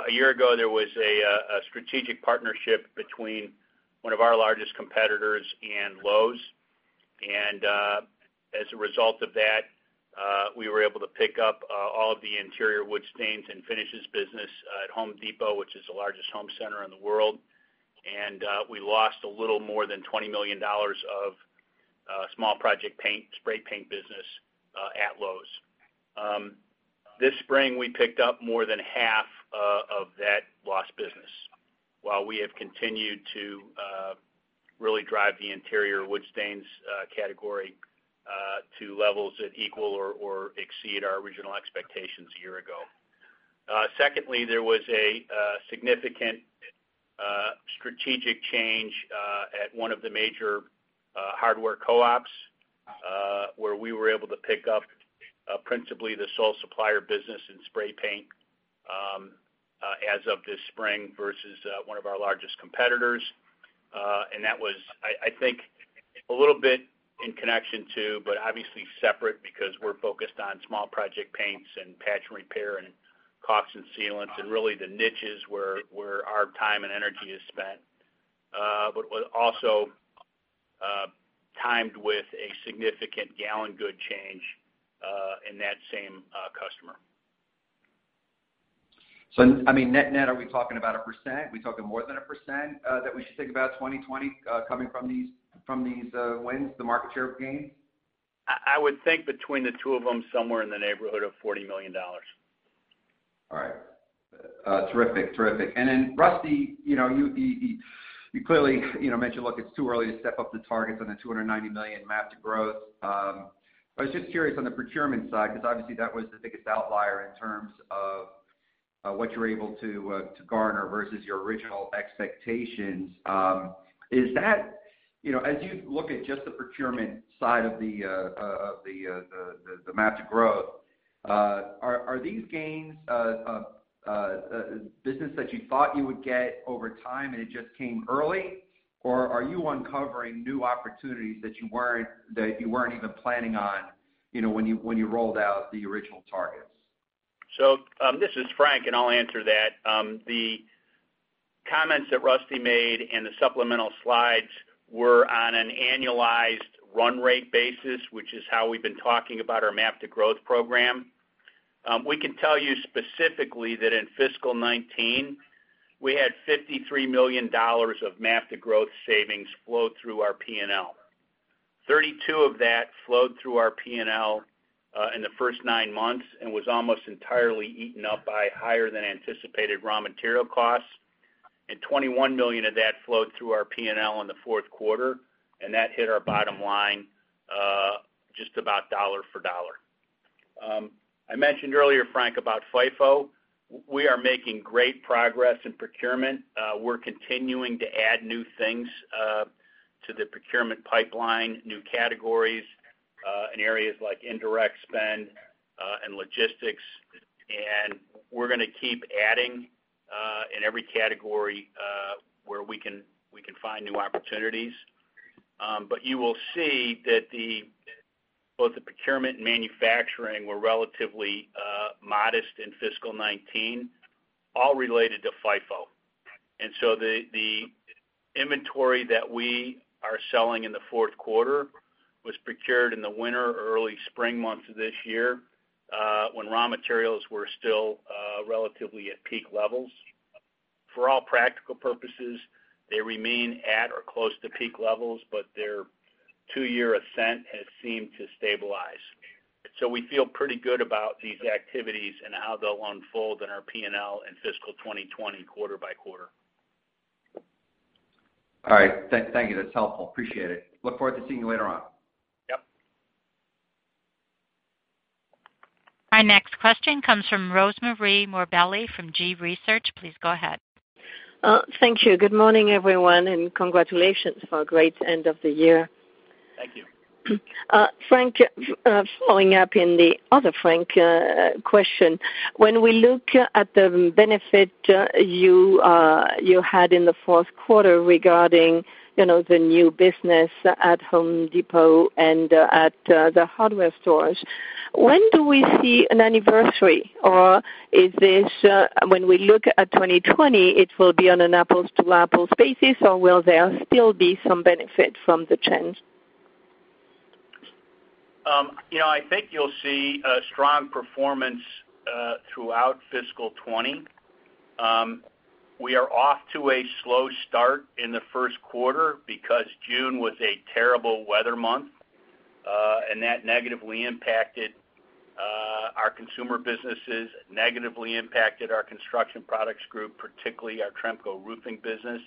[SPEAKER 2] A year ago, there was a strategic partnership between one of our largest competitors and Lowe's. As a result of that, we were able to pick up all of the interior wood stains and finishes business at Home Depot, which is the largest home center in the world. We lost a little more than $20 million of small project paint, spray paint business at Lowe's. This spring, we picked up more than half of that lost business, while we have continued to really drive the interior wood stains category to levels that equal or exceed our original expectations a year ago. Secondly, there was a significant strategic change at one of the major hardware co-ops, where we were able to pick up principally the sole supplier business in spray paint as of this spring versus one of our largest competitors. That was, I think a little bit in connection to, but obviously separate because we're focused on small project paints and patch and repair and caulks and sealants and really the niches where our time and energy is spent. Was also timed with a significant gallon goods change in that same customer.
[SPEAKER 7] Net are we talking about 1%? Are we talking more than 1% that we should think about 2020 coming from these wins, the market share gains?
[SPEAKER 2] I would think between the two of them, somewhere in the neighborhood of $40 million.
[SPEAKER 7] All right. Terrific. Rusty, you clearly mentioned it's too early to step up the targets on the $290 million MAP to Growth. I was just curious on the procurement side, because obviously that was the biggest outlier in terms of what you were able to garner versus your original expectations. As you look at just the procurement side of the MAP to Growth, are these gains business that you thought you would get over time and it just came early? Are you uncovering new opportunities that you weren't even planning on when you rolled out the original targets?
[SPEAKER 2] This is Frank, and I'll answer that. The comments that Rusty made and the supplemental slides were on an annualized run rate basis, which is how we've been talking about our MAP to Growth program. We can tell you specifically that in fiscal 2019, we had $53 million of MAP to Growth savings flow through our P&L. $32 of that flowed through our P&L in the first nine months and was almost entirely eaten up by higher than anticipated raw material costs. $21 million of that flowed through our P&L in the fourth quarter, and that hit our bottom line just about dollar for dollar. I mentioned earlier, Frank, about FIFO. We are making great progress in procurement. We're continuing to add new things to the procurement pipeline, new categories in areas like indirect spend and logistics. We're going to keep adding in every category where we can find new opportunities. You will see that both the procurement and manufacturing were relatively modest in fiscal 2019, all related to FIFO. The inventory that we are selling in the fourth quarter was procured in the winter or early spring months of this year, when raw materials were still relatively at peak levels. For all practical purposes, they remain at or close to peak levels, but their two-year ascent has seemed to stabilize. We feel pretty good about these activities and how they'll unfold in our P&L in fiscal 2020, quarter by quarter.
[SPEAKER 7] All right. Thank you. That's helpful. Appreciate it. Look forward to seeing you later on.
[SPEAKER 2] Yep.
[SPEAKER 1] Our next question comes from Rosemarie Morbelli from G-Research. Please go ahead.
[SPEAKER 8] Thank you. Good morning, everyone, and congratulations for a great end of the year.
[SPEAKER 2] Thank you.
[SPEAKER 8] Frank, following up in the other Frank question. When we look at the benefit you had in the fourth quarter regarding the new business at Home Depot and at the hardware stores, when do we see an anniversary? Is this when we look at 2020, it will be on an apples-to-apples basis, or will there still be some benefit from the change?
[SPEAKER 2] I think you'll see a strong performance throughout fiscal 2020. We are off to a slow start in the first quarter because June was a terrible weather month, that negatively impacted our consumer businesses, negatively impacted our Construction Products Group, particularly our Tremco Roofing business.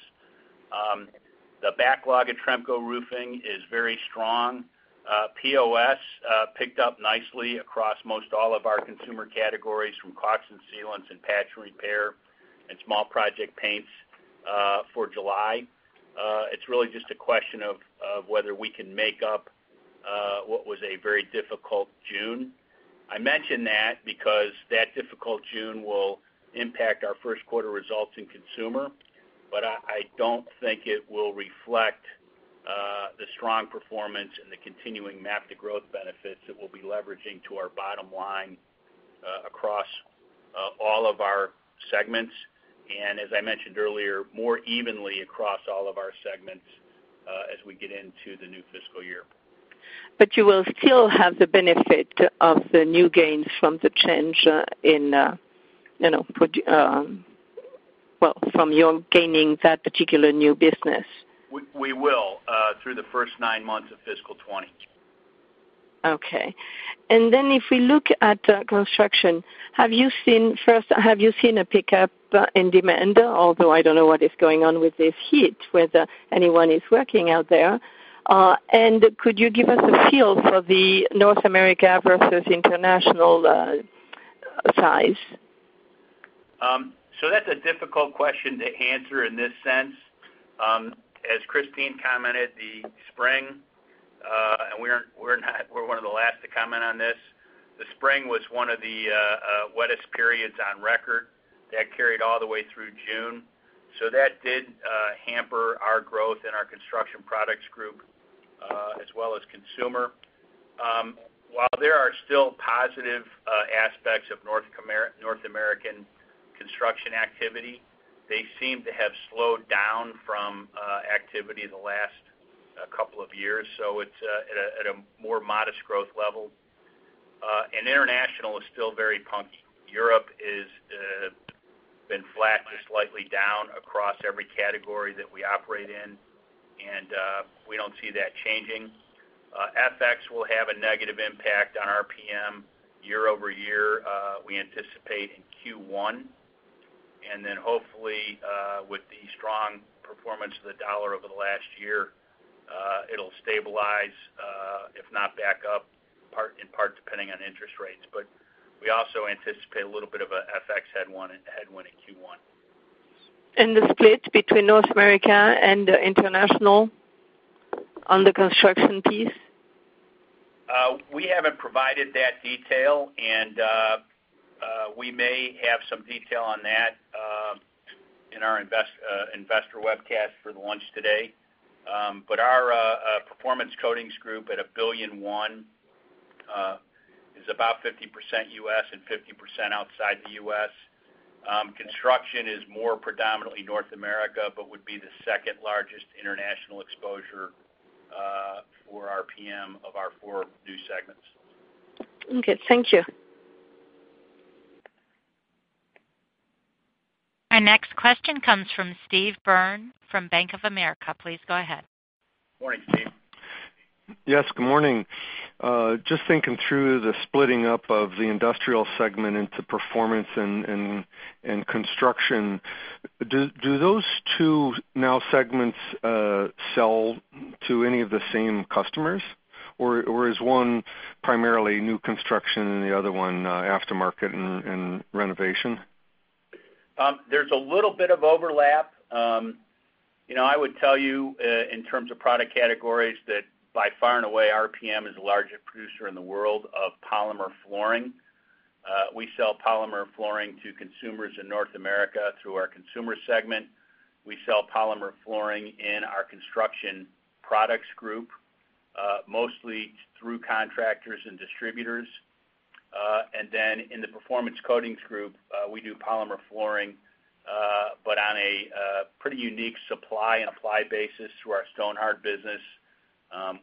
[SPEAKER 2] The backlog at Tremco Roofing is very strong. POS picked up nicely across most all of our consumer categories from caulks and sealants and patch repair and small project paints for July. It's really just a question of whether we can make up what was a very difficult June. I mention that because that difficult June will impact our first quarter results in Consumer, I don't think it will reflect the strong performance and the continuing MAP to Growth benefits that we'll be leveraging to our bottom line across all of our segments. As I mentioned earlier, more evenly across all of our segments as we get into the new fiscal year.
[SPEAKER 8] You will still have the benefit of the new gains from Well, from your gaining that particular new business.
[SPEAKER 2] We will through the first nine months of fiscal 2020.
[SPEAKER 8] Okay. If we look at construction, have you seen a pickup in demand? Although I don't know what is going on with this heat, whether anyone is working out there. Could you give us a feel for the North America versus international size?
[SPEAKER 2] That's a difficult question to answer in this sense. As Kristine commented, the spring was one of the wettest periods on record. That carried all the way through June. That did hamper our growth in our Construction Products Group, as well as Consumer Group. While there are still positive aspects of North American construction activity, they seem to have slowed down from activity the last couple of years. It's at a more modest growth level. International is still very punky. Europe has been flat to slightly down across every category that we operate in, and we don't see that changing. FX will have a negative impact on RPM year-over-year, we anticipate in Q1. Hopefully, with the strong performance of the dollar over the last year, it'll stabilize, if not back up, in part, depending on interest rates. We also anticipate a little bit of a FX headwind in Q1.
[SPEAKER 8] The split between North America and International on the Construction piece?
[SPEAKER 2] We haven't provided that detail. We may have some detail on that in our investor webcast for the launch today. Our Performance Coatings Group, at $1.1 billion, is about 50% U.S. and 50% outside the U.S. Construction is more predominantly North America, would be the second-largest international exposure for RPM of our four new segments.
[SPEAKER 8] Okay, thank you.
[SPEAKER 1] Our next question comes from Steve Byrne from Bank of America. Please go ahead.
[SPEAKER 2] Morning, Steve.
[SPEAKER 9] Yes, good morning. Just thinking through the splitting up of the Industrial Segment into Performance and Construction. Do those two now segments sell to any of the same customers? Is one primarily new construction and the other one aftermarket and renovation?
[SPEAKER 2] There's a little bit of overlap. I would tell you, in terms of product categories, that by far and away, RPM is the largest producer in the world of polymer flooring. We sell polymer flooring to consumers in North America through our Consumer Group. We sell polymer flooring in our Construction Products Group, mostly through contractors and distributors. In the Performance Coatings Group, we do polymer flooring, but on a pretty unique supply-and-apply basis through our Stonhard business.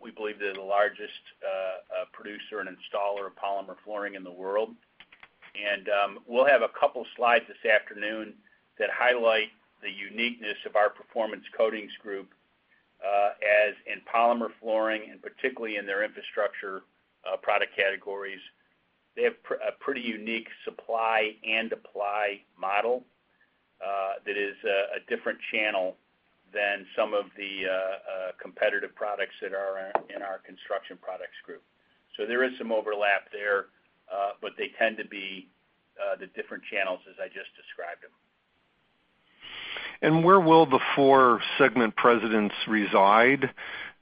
[SPEAKER 2] We believe they're the largest producer and installer of polymer flooring in the world. We'll have a couple slides this afternoon that highlight the uniqueness of our Performance Coatings Group, as in polymer flooring, and particularly in their infrastructure product categories. They have a pretty unique supply-and-apply model that is a different channel than some of the competitive products that are in our Construction Products Group. There is some overlap there, but they tend to be the different channels as I just described them.
[SPEAKER 9] Where will the four segment presidents reside?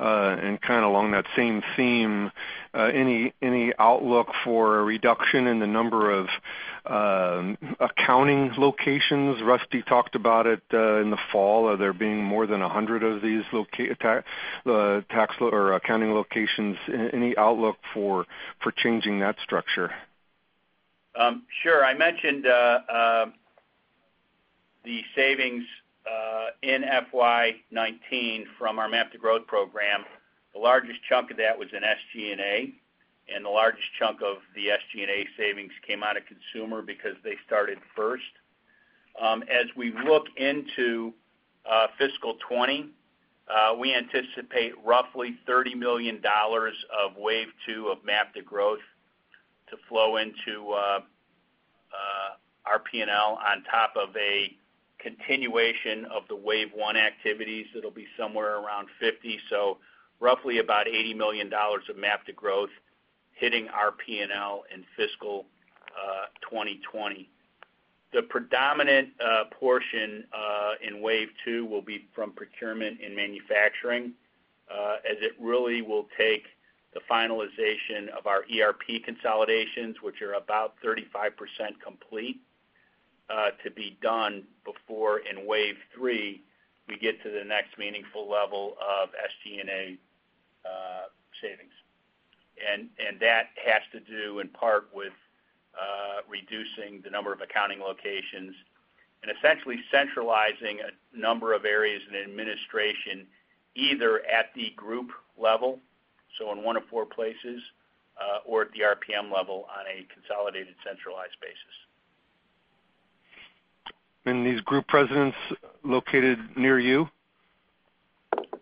[SPEAKER 9] Kind of along that same theme, any outlook for a reduction in the number of accounting locations? Rusty talked about it in the fall, there being more than 100 of these accounting locations. Any outlook for changing that structure?
[SPEAKER 2] Sure. I mentioned the savings in FY 2019 from our MAP to Growth program. The largest chunk of that was in SG&A, and the largest chunk of the SG&A savings came out of Consumer because they started first. As we look into fiscal 2020, we anticipate roughly $30 million of Wave two of MAP to Growth to flow into our P&L on top of a continuation of the Wave one activities. That'll be somewhere around 50, so roughly about $80 million of MAP to Growth hitting our P&L in fiscal 2020. The predominant portion in Wave two will be from procurement and manufacturing, as it really will take the finalization of our ERP consolidations, which are about 35% complete, to be done before, in Wave three, we get to the next meaningful level of SG&A savings. That has to do, in part, with reducing the number of accounting locations and essentially centralizing a number of areas in administration, either at the group level, so in one of four places, or at the RPM level on a consolidated, centralized basis.
[SPEAKER 9] These Group Presidents located near you?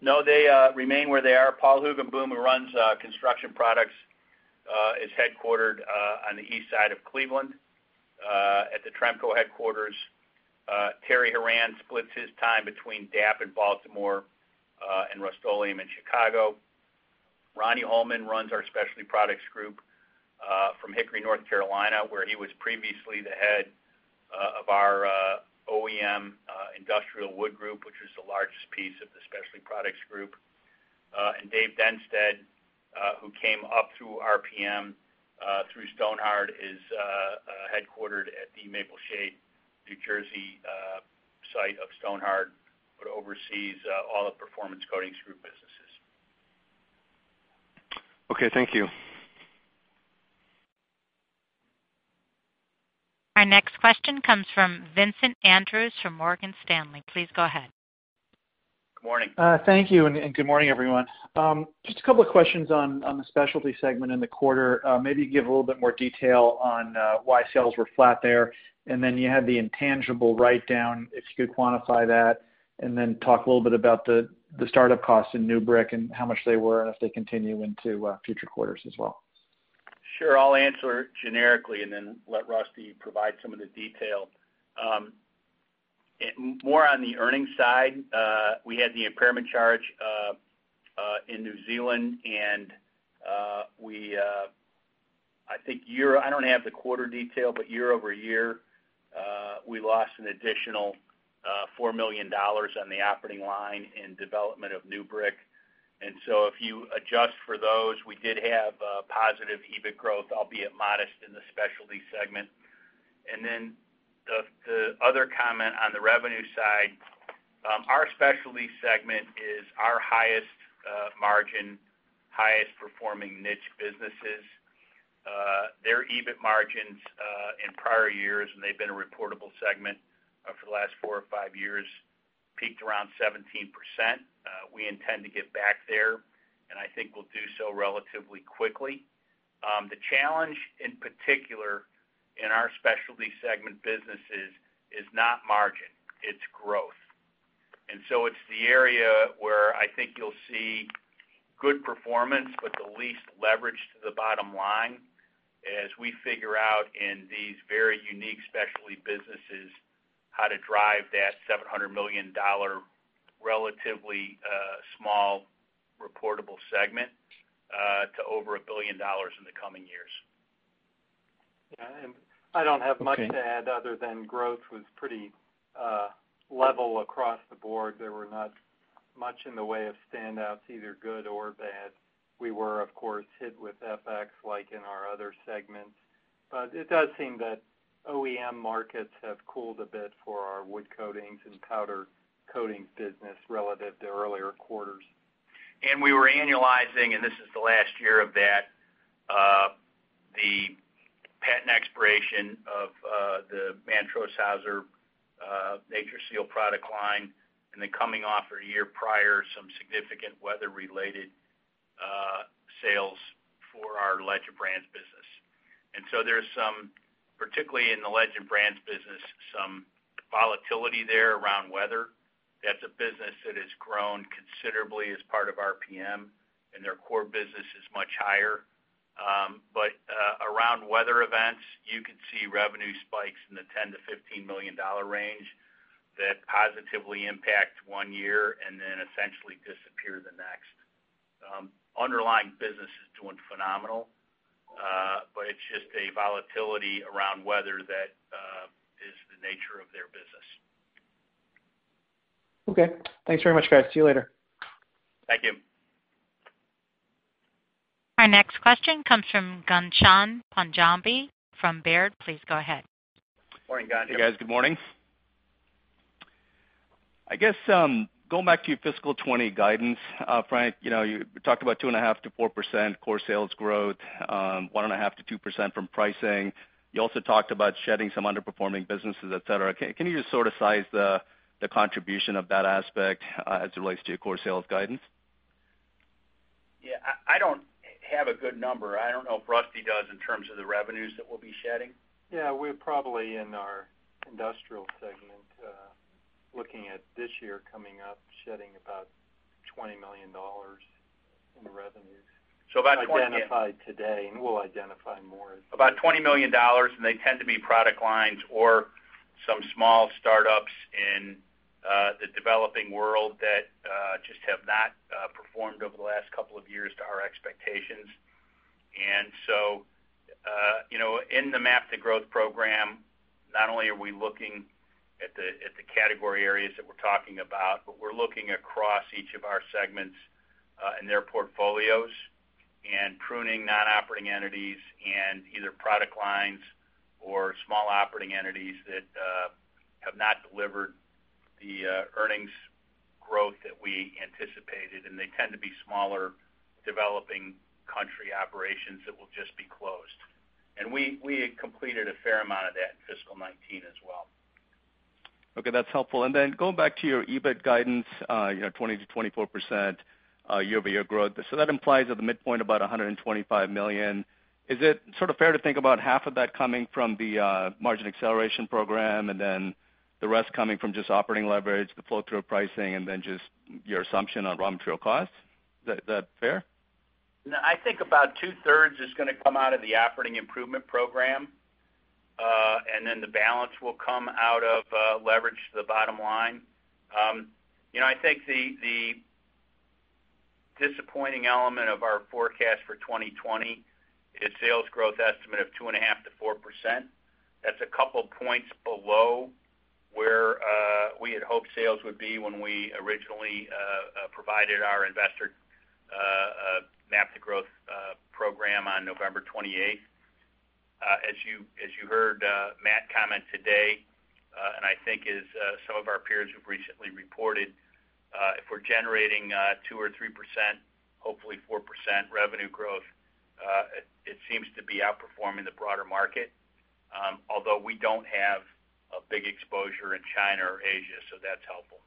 [SPEAKER 2] No, they remain where they are. Paul Hoogenboom, who runs Construction Products, is headquartered on the east side of Cleveland at the Tremco headquarters. Terry Horan splits his time between DAP in Baltimore and Rust-Oleum in Chicago. Ronnie Holman runs our Specialty Products Group. From Hickory, North Carolina, where he was previously the head of our OEM Industrial Wood Group, which is the largest piece of the Specialty Products Group. Dave Dennsteadt, who came up through RPM, through Stonhard, is headquartered at the Maple Shade, New Jersey site of Stonhard, but oversees all the Performance Coatings Group businesses.
[SPEAKER 9] Okay. Thank you.
[SPEAKER 1] Our next question comes from Vincent Andrews from Morgan Stanley. Please go ahead.
[SPEAKER 2] Good morning.
[SPEAKER 10] Thank you, and good morning, everyone. Just a couple of questions on the Specialty segment in the quarter. Maybe give a little bit more detail on why sales were flat there, and then you had the intangible write-down, if you could quantify that, and then talk a little bit about the start-up costs in NewBrick and how much they were, and if they continue into future quarters as well.
[SPEAKER 2] Sure. I'll answer generically and then let Rusty provide some of the detail. More on the earnings side, we had the impairment charge in New Zealand, and I don't have the quarter detail, but year-over-year, we lost an additional $4 million on the operating line in development of NewBrick. So if you adjust for those, we did have a positive EBIT growth, albeit modest in the specialty segment. Then the other comment on the revenue side, our specialty segment is our highest margin, highest performing niche businesses. Their EBIT margins in prior years, and they've been a reportable segment for the last four or five years, peaked around 17%. We intend to get back there, and I think we'll do so relatively quickly. The challenge, in particular in our specialty segment businesses, is not margin, it's growth. It's the area where I think you'll see good performance, but the least leverage to the bottom line as we figure out in these very unique specialty businesses how to drive that $700 million, relatively small reportable segment to over $1 billion in the coming years.
[SPEAKER 5] Yeah. I don't have much to add other than growth was pretty level across the board. There were not much in the way of standouts, either good or bad. We were, of course, hit with FX, like in our other segments. It does seem that OEM markets have cooled a bit for our wood coatings and powder coatings business relative to earlier quarters.
[SPEAKER 2] We were annualizing, and this is the last year of that, the patent expiration of the Mantrose-Haeuser NatureSeal product line, coming off a year prior, some significant weather related sales for our Legend Brands business. There's some, particularly in the Legend Brands business, some volatility there around weather. That's a business that has grown considerably as part of RPM, and their core business is much higher. Around weather events, you could see revenue spikes in the $10 million-$15 million range that positively impact one year and then essentially disappear the next. Underlying business is doing phenomenal, but it's just a volatility around weather that is the nature of their business.
[SPEAKER 10] Okay. Thanks very much, guys. See you later.
[SPEAKER 2] Thank you.
[SPEAKER 1] Our next question comes from Ghansham Panjabi from Baird. Please go ahead.
[SPEAKER 2] Morning, Ghansham.
[SPEAKER 11] Hey, guys. Good morning. I guess, going back to your fiscal 2020 guidance, Frank, you talked about 2.5%-4% core sales growth, 1.5%-2% from pricing. You also talked about shedding some underperforming businesses, et cetera. Can you just sort of size the contribution of that aspect as it relates to your core sales guidance?
[SPEAKER 2] Yeah, I don't have a good number. I don't know if Rusty does in terms of the revenues that we'll be shedding.
[SPEAKER 5] Yeah, we're probably in our industrial segment, looking at this year coming up, shedding about $20 million in revenues.
[SPEAKER 2] About $20-.
[SPEAKER 5] Identified today, and we'll identify more.
[SPEAKER 2] About $20 million. They tend to be product lines or some small startups in the developing world that just have not performed over the last couple of years to our expectations. In the MAP to Growth program, not only are we looking at the category areas that we're talking about, but we're looking across each of our segments and their portfolios and pruning non-operating entities and either product lines or small operating entities that have not delivered the earnings growth that we anticipated. They tend to be smaller developing country operations that will just be closed. We had completed a fair amount of that in fiscal 2019 as well.
[SPEAKER 11] Okay, that's helpful. Going back to your EBIT guidance, 20%-24% year-over-year growth. That implies at the midpoint about $125 million. Is it sort of fair to think about half of that coming from the margin acceleration program and then the rest coming from just operating leverage, the flow-through pricing, and then just your assumption on raw material costs? Is that fair?
[SPEAKER 2] I think about 2/3 is going to come out of the operating improvement program, and then the balance will come out of leverage to the bottom line. I think the disappointing element of our forecast for 2020 is sales growth estimate of 2.5%-4%. That's a couple points below where we had hoped sales would be when we originally provided our investor MAP to Growth program on November 28th. As you heard Matt comment today, and I think as some of our peers have recently reported, if we're generating 2% or 3%, hopefully 4% revenue growth, it seems to be outperforming the broader market. Although we don't have a big exposure in China or Asia, so that's helpful.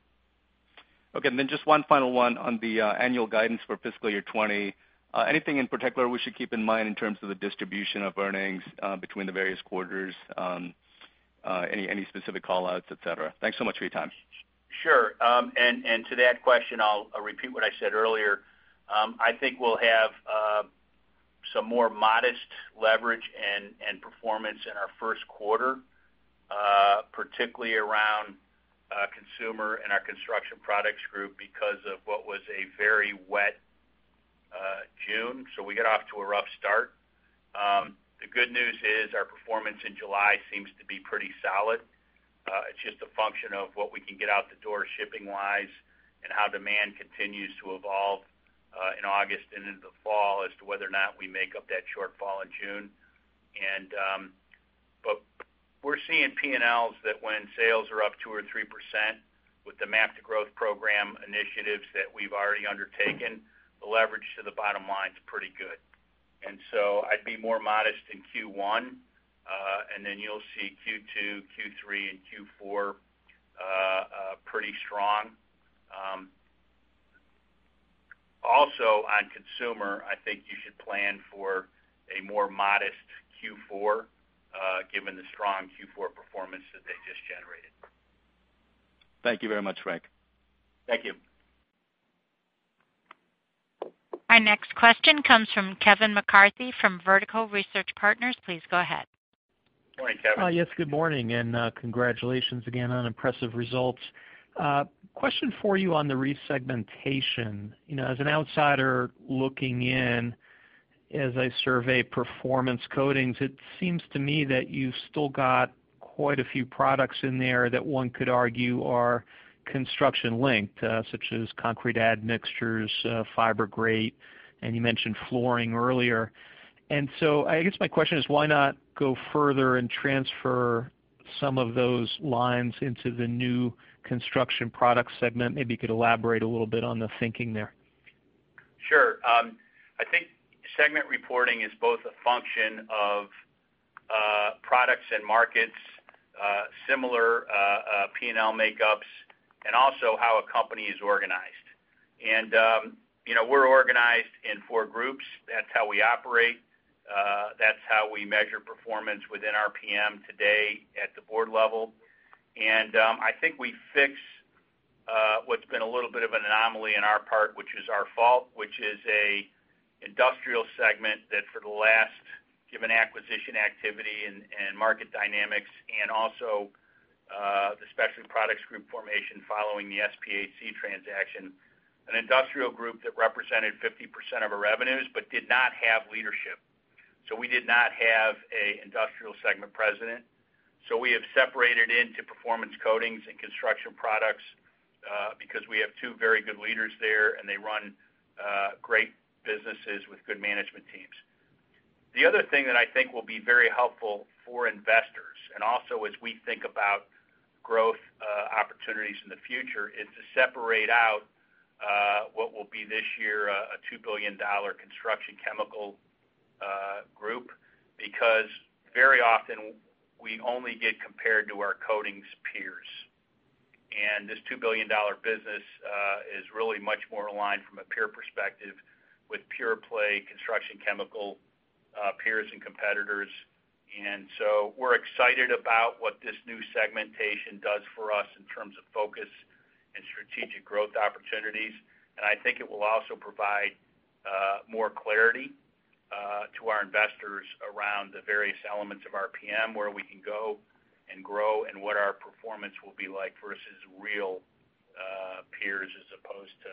[SPEAKER 11] Okay. Just one final one on the annual guidance for fiscal year 2020. Anything in particular we should keep in mind in terms of the distribution of earnings between the various quarters? Any specific call-outs, et cetera? Thanks so much for your time.
[SPEAKER 2] Sure. To that question, I'll repeat what I said earlier. I think we'll have some more modest leverage and performance in our first quarter, particularly around Consumer and our Construction Products Group because of what was a very wet June. We got off to a rough start. The good news is our performance in July seems to be pretty solid. It's just a function of what we can get out the door shipping-wise, and how demand continues to evolve in August and into the fall as to whether or not we make up that shortfall in June. We're seeing P&Ls that when sales are up 2% or 3% with the MAP to Growth program initiatives that we've already undertaken, the leverage to the bottom line's pretty good. I'd be more modest in Q1, then you'll see Q2, Q3, and Q4 pretty strong. On Consumer, I think you should plan for a more modest Q4, given the strong Q4 performance that they just generated.
[SPEAKER 11] Thank you very much, Frank.
[SPEAKER 2] Thank you.
[SPEAKER 1] Our next question comes from Kevin McCarthy from Vertical Research Partners. Please go ahead.
[SPEAKER 2] Morning, Kevin.
[SPEAKER 12] Yes, good morning. Congratulations again on impressive results. Question for you on the resegmentation. As an outsider looking in, as I survey Performance Coatings, it seems to me that you've still got quite a few products in there that one could argue are construction linked, such as concrete admixtures, Fibergrate, and you mentioned flooring earlier. I guess my question is why not go further and transfer some of those lines into the new Construction Products Group segment? Maybe you could elaborate a little bit on the thinking there.
[SPEAKER 2] Sure. I think segment reporting is both a function of products and markets, similar P&L makeups, and also how a company is organized. We're organized in four groups. That's how we operate. That's how we measure performance within RPM today at the board level. I think we fixed what's been a little bit of an anomaly on our part, which is our fault, which is a industrial segment that for the last given acquisition activity and market dynamics and also the Specialty Products Group formation following the SPHC transaction. An industrial group that represented 50% of our revenues, but did not have leadership. We did not have a industrial segment president. We have separated into Performance Coatings and Construction Products, because we have two very good leaders there, and they run great businesses with good management teams. The other thing that I think will be very helpful for investors, and also as we think about growth opportunities in the future, is to separate out what will be this year a $2 billion Construction Chemical Group. Because very often we only get compared to our coatings peers. This $2 billion business is really much more aligned from a peer perspective with pure play construction chemical peers and competitors. We're excited about what this new segmentation does for us in terms of focus and strategic growth opportunities. I think it will also provide more clarity to our investors around the various elements of RPM, where we can go and grow, and what our performance will be like versus real peers as opposed to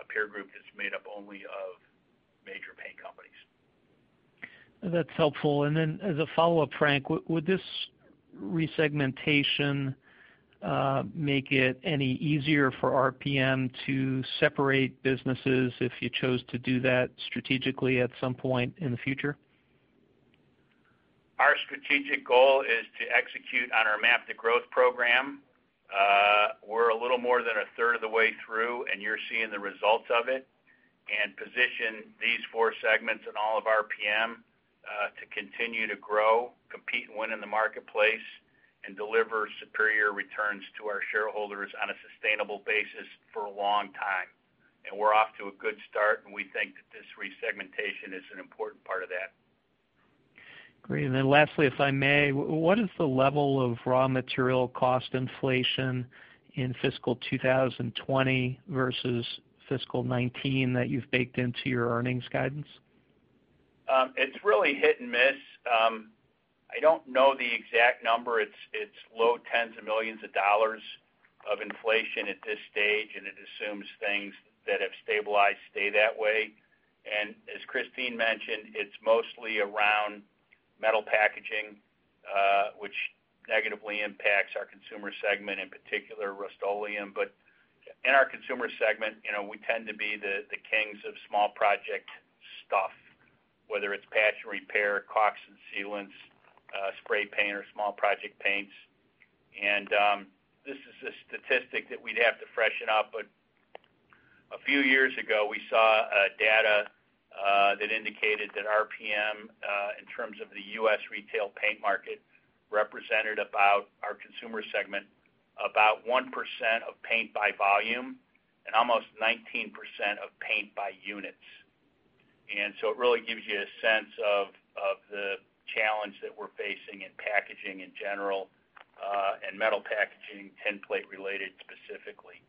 [SPEAKER 2] a peer group that's made up only of major paint companies.
[SPEAKER 12] That's helpful. As a follow-up, Frank, would this resegmentation make it any easier for RPM to separate businesses if you chose to do that strategically at some point in the future?
[SPEAKER 2] Our strategic goal is to execute on our MAP to Growth program. We're a little more than 1/3 of the way through, and you're seeing the results of it, and position these four segments in all of RPM to continue to grow, compete, and win in the marketplace, and deliver superior returns to our shareholders on a sustainable basis for a long time. We're off to a good start, and we think that this resegmentation is an important part of that.
[SPEAKER 12] Great. Lastly, if I may, what is the level of raw material cost inflation in fiscal 2020 versus fiscal 2019 that you've baked into your earnings guidance?
[SPEAKER 2] It's really hit and miss. I don't know the exact number. It's low tens of millions of dollars of inflation at this stage. It assumes things that have stabilized stay that way. As Kristine mentioned, it's mostly around metal packaging, which negatively impacts our Consumer Group, in particular Rust-Oleum. In our Consumer Group, we tend to be the kings of small project stuff, whether it's patch and repair, caulks and sealants, spray paint or small project paints. This is a statistic that we'd have to freshen up. A few years ago, we saw data that indicated that RPM, in terms of the U.S. retail paint market, represented about, our Consumer Group, about 1% of paint by volume and almost 19% of paint by units. It really gives you a sense of the challenge that we're facing in packaging, in general, and metal packaging, tin plate related specifically.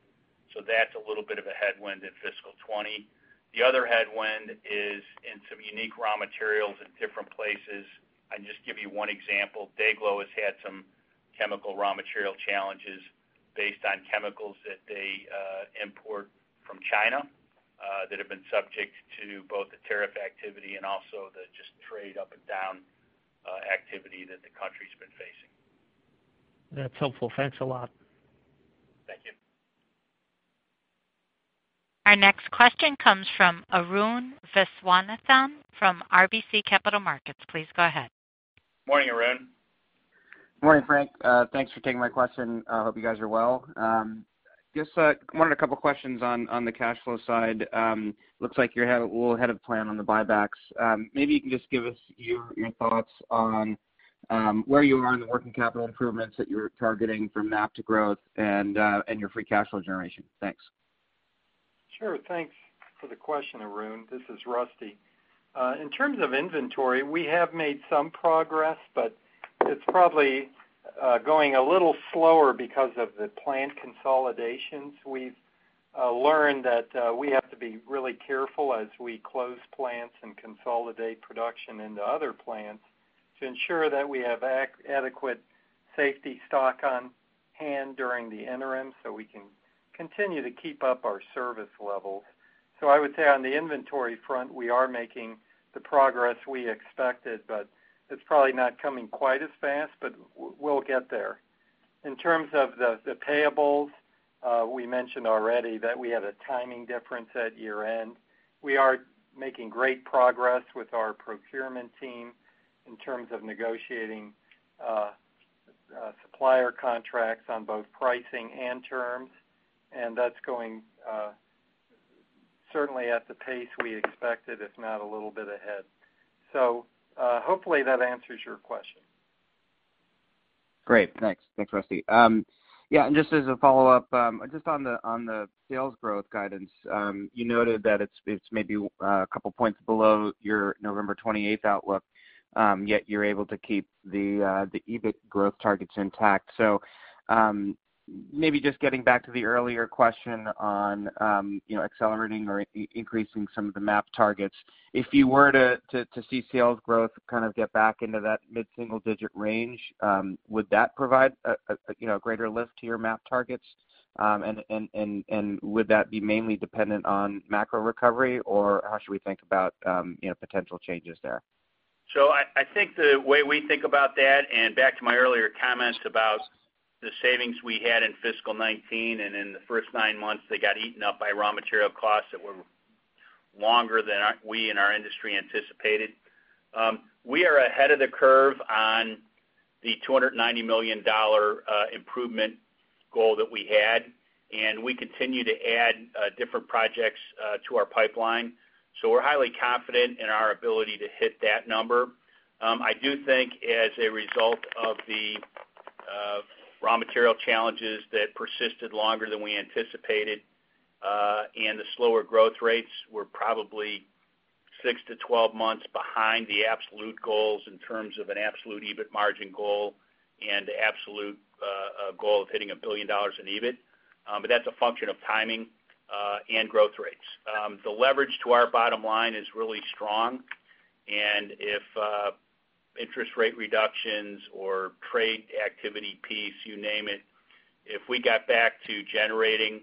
[SPEAKER 2] That's a little bit of a headwind in fiscal 2020. The other headwind is in some unique raw materials in different places. I can just give you one example. DayGlo has had some chemical raw material challenges based on chemicals that they import from China, that have been subject to both the tariff activity and also just the trade up and down activity that the country's been facing.
[SPEAKER 12] That's helpful. Thanks a lot.
[SPEAKER 2] Thank you.
[SPEAKER 1] Our next question comes from Arun Viswanathan from RBC Capital Markets. Please go ahead.
[SPEAKER 2] Morning, Arun.
[SPEAKER 13] Morning, Frank. Thanks for taking my question. I hope you guys are well. Just wanted a couple questions on the cash flow side. Looks like you're a little ahead of plan on the buybacks. Maybe you can just give us your thoughts on where you are in the working capital improvements that you're targeting from MAP to Growth and your free cash flow generation. Thanks.
[SPEAKER 5] Sure. Thanks for the question, Arun. This is Rusty. In terms of inventory, we have made some progress, but it's probably going a little slower because of the plant consolidations. We've learned that we have to be really careful as we close plants and consolidate production into other plants to ensure that we have adequate safety stock on hand during the interim, so we can continue to keep up our service levels. I would say on the inventory front, we are making the progress we expected, but it's probably not coming quite as fast, but we'll get there. In terms of the payables, we mentioned already that we had a timing difference at year-end. We are making great progress with our procurement team in terms of negotiating supplier contracts on both pricing and terms, and that's going certainly at the pace we expected, if not a little bit ahead. Hopefully that answers your question.
[SPEAKER 13] Great. Thanks, Rusty. Just as a follow-up, just on the sales growth guidance, you noted that it's maybe a couple points below your November 28th outlook, yet you're able to keep the EBIT growth targets intact. Maybe just getting back to the earlier question on accelerating or increasing some of the MAP targets. If you were to see sales growth kind of get back into that mid-single digit range, would that provide a greater lift to your MAP targets? Would that be mainly dependent on macro recovery, or how should we think about potential changes there?
[SPEAKER 2] I think the way we think about that, and back to my earlier comments about the savings we had in fiscal 2019, and in the first nine months, they got eaten up by raw material costs that were longer than we in our industry anticipated. We are ahead of the curve on the $290 million improvement goal that we had, and we continue to add different projects to our pipeline. We're highly confident in our ability to hit that number. I do think as a result of the raw material challenges that persisted longer than we anticipated, and the slower growth rates, we're probably 6-12 months behind the absolute goals in terms of an absolute EBIT margin goal and absolute goal of hitting $1 billion in EBIT. That's a function of timing, and growth rates. The leverage to our bottom line is really strong. If interest rate reductions or trade activity piece, you name it, if we got back to generating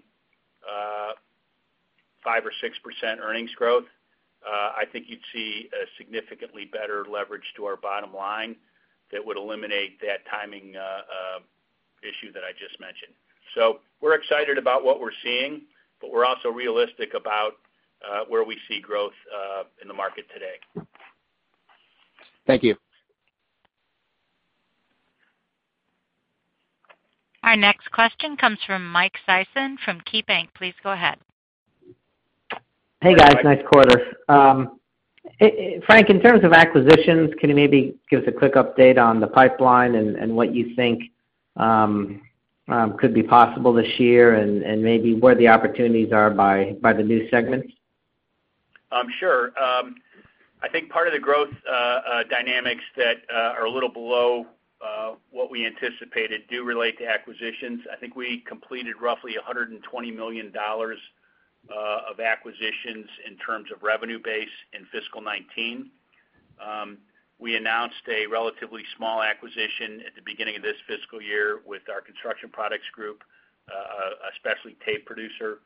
[SPEAKER 2] 5% or 6% earnings growth, I think you'd see a significantly better leverage to our bottom line that would eliminate that timing issue that I just mentioned. We're excited about what we're seeing, but we're also realistic about where we see growth in the market today.
[SPEAKER 13] Thank you.
[SPEAKER 1] Our next question comes from Mike Sison from KeyBanc. Please go ahead.
[SPEAKER 14] Hey, guys. Nice quarter. Frank, in terms of acquisitions, can you maybe give us a quick update on the pipeline and what you think could be possible this year and maybe where the opportunities are by the new segments?
[SPEAKER 2] Sure. I think part of the growth dynamics that are a little below what we anticipated do relate to acquisitions. I think we completed roughly $120 million of acquisitions in terms of revenue base in fiscal 2019. We announced a relatively small acquisition at the beginning of this fiscal year with our Construction Products Group, a specialty tape producer.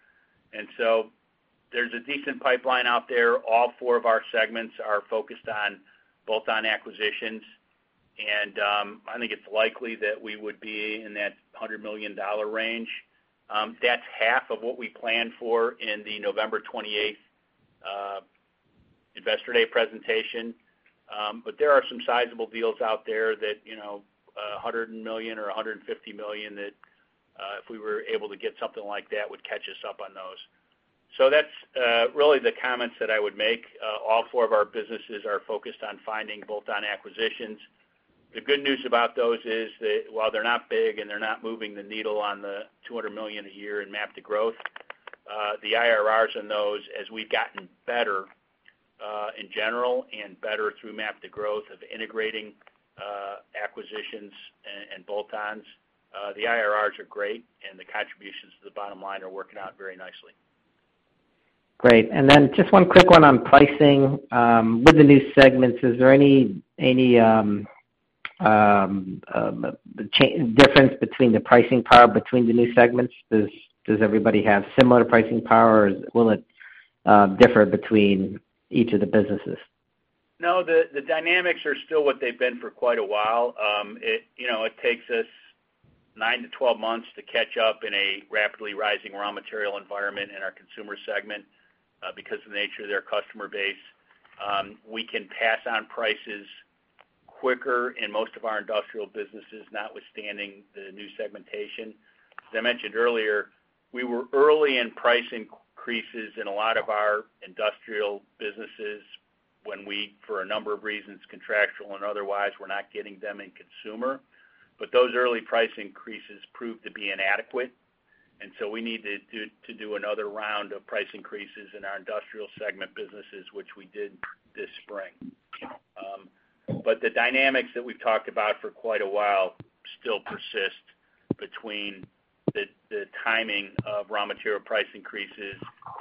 [SPEAKER 2] There's a decent pipeline out there. All four of our segments are focused on bolt-on acquisitions. I think it's likely that we would be in that $100 million range. That's half of what we planned for in the November 28th Investor Day presentation. There are some sizable deals out there that, $100 million or $150 million, that if we were able to get something like that, would catch us up on those. That's really the comments that I would make. All four of our businesses are focused on finding bolt-on acquisitions. The good news about those is that while they're not big and they're not moving the needle on the $200 million a year in MAP to Growth, the IRRs on those, as we've gotten better in general and better through MAP to Growth of integrating acquisitions and bolt-ons, the IRRs are great, and the contributions to the bottom line are working out very nicely.
[SPEAKER 14] Great. Just one quick one on pricing. With the new segments, is there any difference between the pricing power between the new segments? Does everybody have similar pricing power, or will it differ between each of the businesses?
[SPEAKER 2] The dynamics are still what they've been for quite a while. It takes us 9-12 months to catch up in a rapidly rising raw material environment in our Consumer Group, because of the nature of their customer base. We can pass on prices quicker in most of our industrial businesses, notwithstanding the new segmentation. As I mentioned earlier, we were early in price increases in a lot of our industrial businesses when we, for a number of reasons, contractual and otherwise, were not getting them in Consumer. Those early price increases proved to be inadequate. We needed to do another round of price increases in our industrial segment businesses, which we did this spring. The dynamics that we've talked about for quite a while still persist between the timing of raw material price increases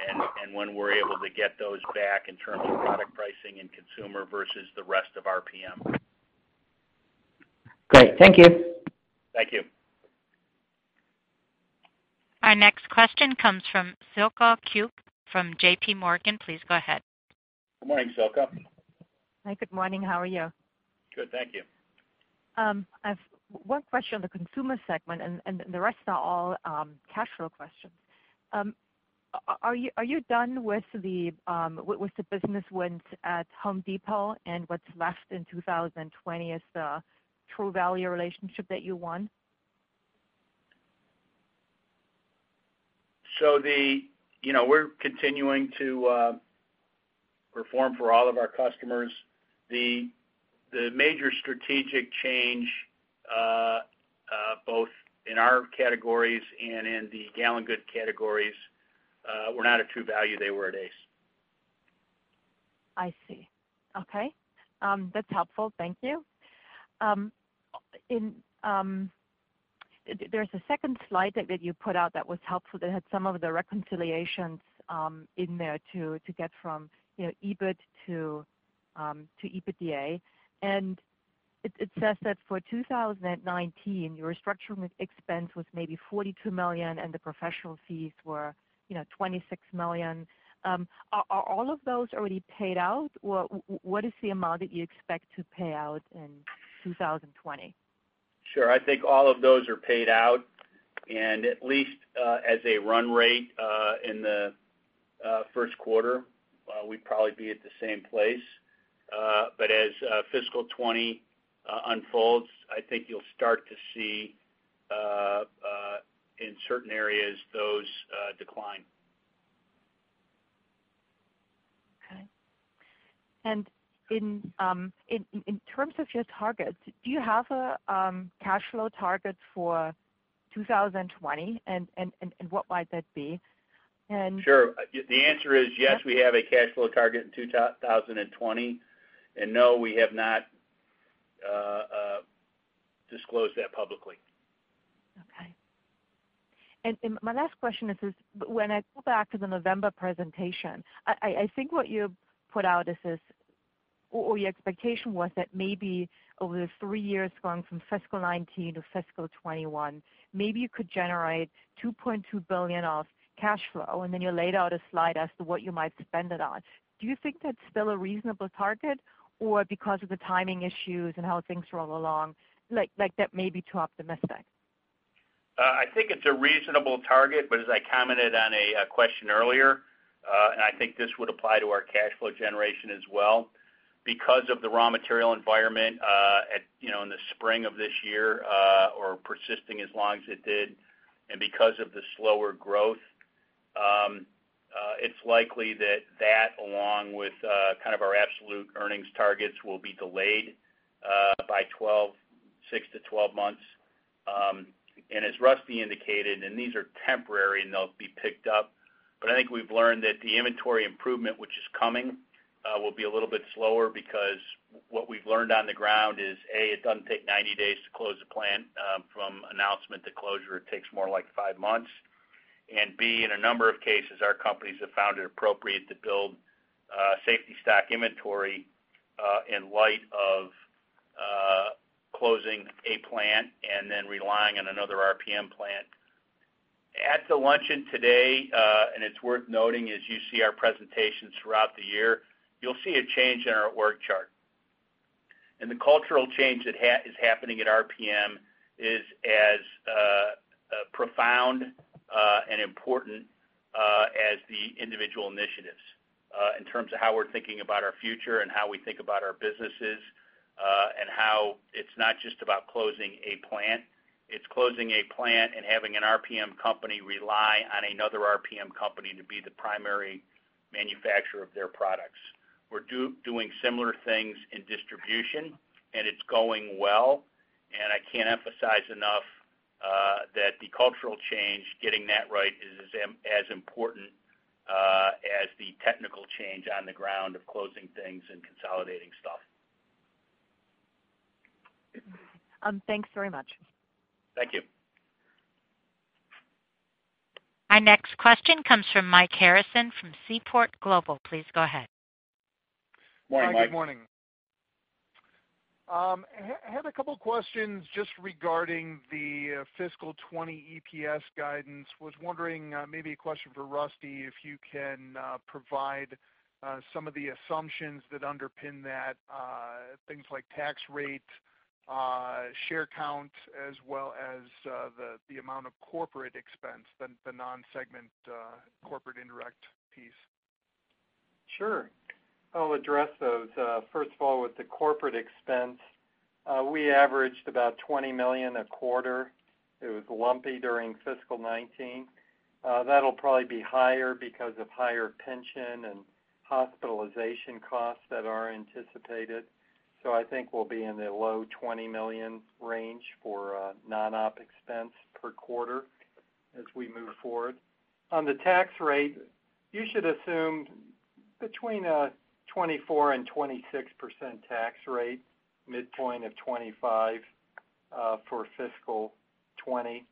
[SPEAKER 2] and when we're able to get those back in terms of product pricing and Consumer versus the rest of RPM.
[SPEAKER 14] Great. Thank you.
[SPEAKER 2] Thank you.
[SPEAKER 1] Our next question comes from Silke Kueck, from JPMorgan. Please go ahead.
[SPEAKER 2] Good morning, Silke.
[SPEAKER 15] Hi, good morning. How are you?
[SPEAKER 2] Good, thank you.
[SPEAKER 15] I've one question on the Consumer Group and the rest are all cash flow questions. Are you done with the business wins at Home Depot and what's left in 2020 as the True Value relationship that you won?
[SPEAKER 2] We're continuing to perform for all of our customers. The major strategic change, both in our categories and in the gallon goods categories, were not at True Value, they were at Ace.
[SPEAKER 15] I see. Okay. That's helpful. Thank you. There's a second slide deck that you put out that was helpful, that had some of the reconciliations in there to get from EBIT to EBITDA. It says that for 2019, your restructuring expense was maybe $42 million, and the professional fees were $26 million. Are all of those already paid out, or what is the amount that you expect to pay out in 2020?
[SPEAKER 2] Sure. I think all of those are paid out, and at least as a run rate in the first quarter, we'd probably be at the same place. As fiscal 2020 unfolds, I think you'll start to see, in certain areas, those decline.
[SPEAKER 15] Okay. In terms of your targets, do you have a cash flow target for 2020, and what might that be?
[SPEAKER 2] Sure. The answer is yes, we have a cash flow target in 2020, and no, we have not disclosed that publicly.
[SPEAKER 15] Okay. My last question is, when I pull back to the November presentation, I think what you put out is this, or your expectation was that maybe over the three years going from fiscal 2019-fiscal 2021, maybe you could generate $2.2 billion of cash flow. Then you laid out a slide as to what you might spend it on. Do you think that's still a reasonable target, or because of the timing issues and how things roll along, like that may be too optimistic?
[SPEAKER 2] I think it's a reasonable target, but as I commented on a question earlier, and I think this would apply to our cash flow generation as well, because of the raw material environment in the spring of this year or persisting as long as it did, and because of the slower growth, it's likely that that, along with kind of our absolute earnings targets, will be delayed by 6-12 months. As Rusty indicated, and these are temporary and they'll be picked up, but I think we've learned that the inventory improvement which is coming will be a little bit slower because what we've learned on the ground is, A, it doesn't take 90 days to close a plant. From announcement to closure, it takes more like five months. B, in a number of cases, our companies have found it appropriate to build safety stock inventory in light of closing a plant and then relying on another RPM plant. At the luncheon today, it's worth noting as you see our presentations throughout the year, you'll see a change in our org chart. The cultural change that is happening at RPM is as profound and important as the individual initiatives in terms of how we're thinking about our future and how we think about our businesses, and how it's not just about closing a plant, it's closing a plant and having an RPM company rely on another RPM company to be the primary manufacturer of their products. We're doing similar things in distribution, and it's going well. I can't emphasize enough that the cultural change, getting that right is as important as the technical change on the ground of closing things and consolidating stuff.
[SPEAKER 15] Thanks very much.
[SPEAKER 2] Thank you.
[SPEAKER 1] Our next question comes from Mike Harrison from Seaport Global. Please go ahead.
[SPEAKER 2] Morning, Mike.
[SPEAKER 16] Good morning. I had a couple questions just regarding the fiscal 2020 EPS guidance. Was wondering, maybe a question for Rusty, if you can provide some of the assumptions that underpin that. Things like tax rate, share count, as well as the amount of corporate expense, the non-segment corporate indirect piece.
[SPEAKER 5] Sure. I'll address those. First of all, with the corporate expense, we averaged about $20 million a quarter. It was lumpy during fiscal 2019. That'll probably be higher because of higher pension and hospitalization costs that are anticipated. I think we'll be in the low $20 million range for non-op expense per quarter as we move forward. On the tax rate, you should assume between a 24%-26% tax rate, midpoint of 25% for fiscal 2020.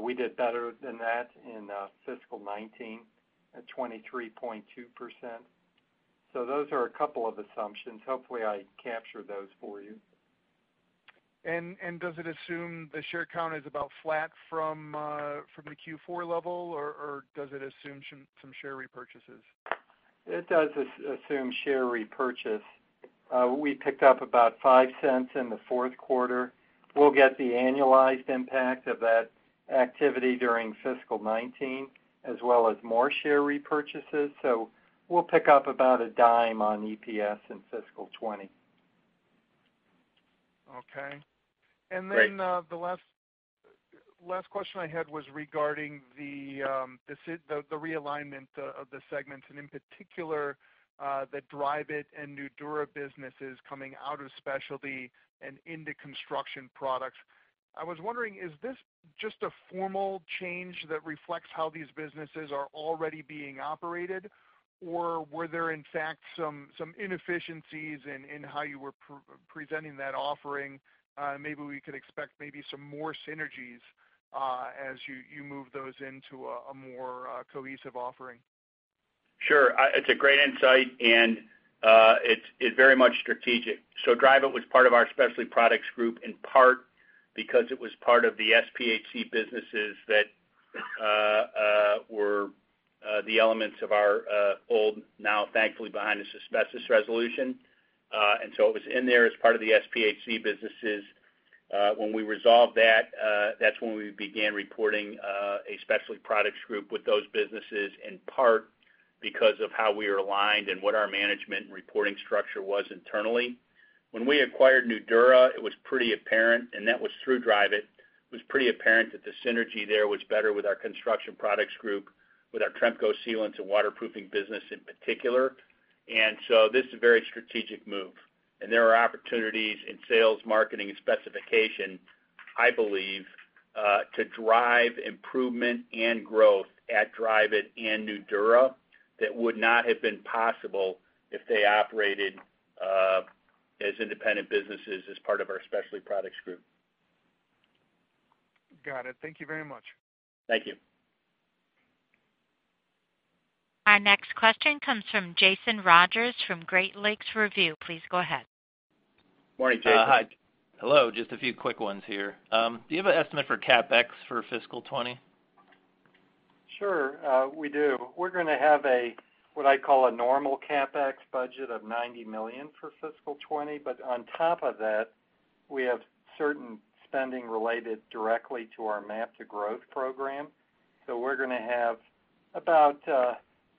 [SPEAKER 5] We did better than that in fiscal 2019 at 23.2%. Those are a couple of assumptions. Hopefully, I captured those for you.
[SPEAKER 16] Does it assume the share count is about flat from the Q4 level, or does it assume some share repurchases?
[SPEAKER 5] It does assume share repurchase. We picked up about $0.05 in the fourth quarter. We'll get the annualized impact of that activity during fiscal 2019, as well as more share repurchases. We'll pick up about $0.10 on EPS in fiscal 2020.
[SPEAKER 16] Okay.
[SPEAKER 2] Great.
[SPEAKER 16] The last question I had was regarding the realignment of the segments, and in particular, the Dryvit and Nudura businesses coming out of Specialty and into Construction Products. I was wondering, is this just a formal change that reflects how these businesses are already being operated, or were there in fact some inefficiencies in how you were presenting that offering? Maybe we could expect maybe some more synergies as you move those into a more cohesive offering.
[SPEAKER 2] Sure. It's a great insight. It's very much strategic. Dryvit was part of our Specialty Products Group, in part because it was part of the SPHC businesses that were the elements of our old, now thankfully behind us, asbestos resolution. It was in there as part of the SPHC businesses. When we resolved that's when we began reporting a Specialty Products Group with those businesses, in part because of how we are aligned and what our management and reporting structure was internally. When we acquired Nudura, it was pretty apparent, and that was through Dryvit, it was pretty apparent that the synergy there was better with our Construction Products Group, with our Tremco sealants and waterproofing business in particular. This is a very strategic move, and there are opportunities in sales, marketing, and specification, I believe, to drive improvement and growth at Dryvit and Nudura that would not have been possible if they operated as independent businesses as part of our Specialty Products Group.
[SPEAKER 16] Got it. Thank you very much.
[SPEAKER 2] Thank you.
[SPEAKER 1] Our next question comes from Jason Rodgers from Great Lakes Review. Please go ahead.
[SPEAKER 2] Morning, Jason.
[SPEAKER 17] Hello. Just a few quick ones here. Do you have an estimate for CapEx for fiscal 2020?
[SPEAKER 5] Sure. We do. We're going to have, what I call a normal CapEx budget of $90 million for fiscal 2020. On top of that, we have certain spending related directly to our MAP to Growth program. We're going to have about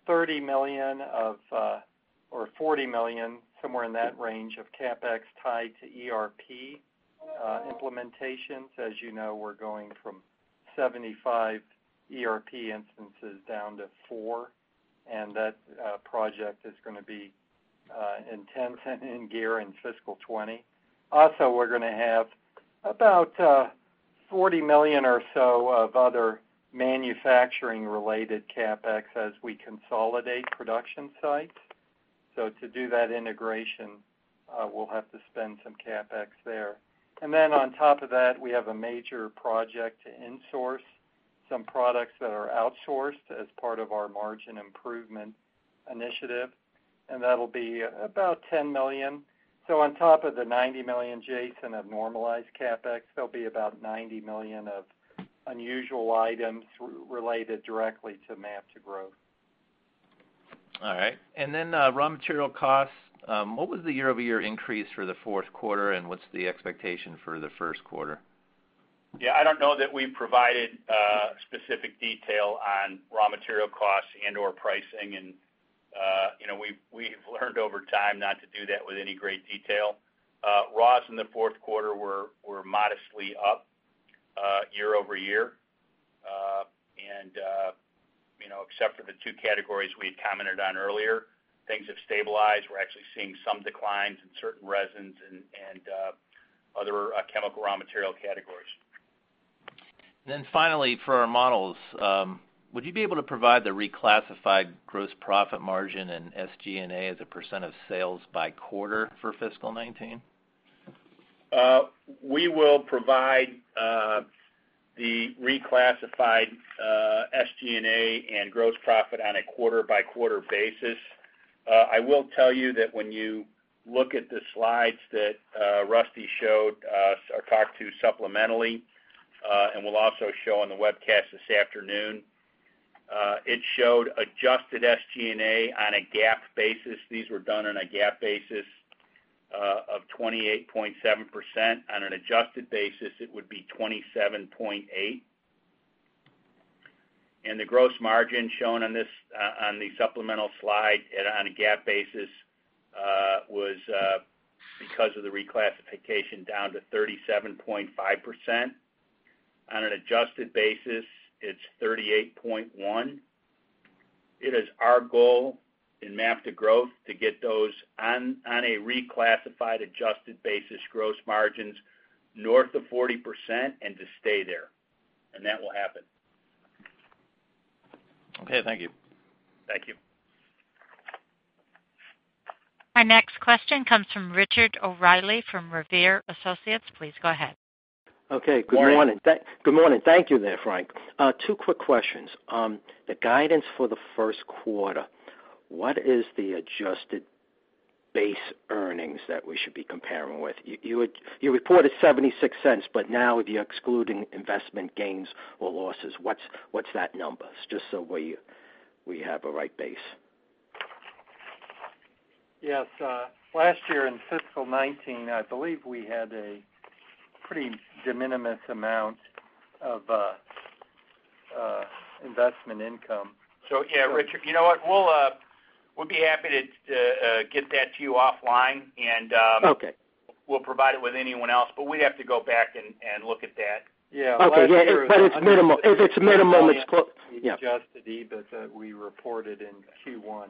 [SPEAKER 5] $30 million or $40 million, somewhere in that range, of CapEx tied to ERP implementations. As you know, we're going from 75 ERP instances down to four. That project is going to be in gear in fiscal 2020. Also, we're going to have about $40 million or so of other manufacturing related CapEx as we consolidate production sites. To do that integration, we'll have to spend some CapEx there. On top of that, we have a major project to insource some products that are outsourced as part of our margin improvement initiative, and that'll be about $10 million. On top of the $90 million Jason had normalized CapEx, there'll be about $90 million of unusual items related directly to MAP to Growth.
[SPEAKER 17] All right. Then raw material costs, what was the year-over-year increase for the fourth quarter, and what's the expectation for the first quarter?
[SPEAKER 2] Yeah, I don't know that we provided specific detail on raw material costs and/or pricing. We've learned over time not to do that with any great detail. Raws in the fourth quarter were modestly up year-over-year. Except for the two categories we had commented on earlier, things have stabilized. We're actually seeing some declines in certain resins and other chemical raw material categories.
[SPEAKER 17] Finally, for our models, would you be able to provide the reclassified gross profit margin and SG&A as a percent. Of sales by quarter for fiscal 2019?
[SPEAKER 2] We will provide the reclassified SG&A and gross profit on a quarter-by-quarter basis. I will tell you that when you look at the slides that Rusty showed or talked to supplementally, and we'll also show on the webcast this afternoon, it showed adjusted SG&A on a GAAP basis. These were done on a GAAP basis of 28.7%. On an adjusted basis, it would be 27.8%. The gross margin shown on the supplemental slide on a GAAP basis was, because of the reclassification, down to 37.5%. On an adjusted basis, it's 38.1%. It is our goal in MAP to Growth to get those on a reclassified adjusted basis, gross margins north of 40% and to stay there, and that will happen.
[SPEAKER 17] Okay, thank you.
[SPEAKER 2] Thank you.
[SPEAKER 1] Our next question comes from Richard O'Reilly from Revere Associates. Please go ahead.
[SPEAKER 18] Okay, good morning.
[SPEAKER 2] Morning.
[SPEAKER 18] Good morning. Thank you there, Frank. Two quick questions. The guidance for the first quarter, what is the adjusted base earnings that we should be comparing with? You reported $0.76, but now if you're excluding investment gains or losses, what's that number? Just so we have a right base.
[SPEAKER 5] Yes. Last year in fiscal 2019, I believe we had a pretty de minimis amount of investment income.
[SPEAKER 2] Yeah, Richard, you know what? We'll be happy to get that to you offline.
[SPEAKER 18] Okay.
[SPEAKER 2] We'll provide it with anyone else, but we'd have to go back and look at that.
[SPEAKER 5] Yeah.
[SPEAKER 18] Okay. Yeah, but if it's minimal, it's yeah.
[SPEAKER 5] Adjusted EBIT that we reported in Q1.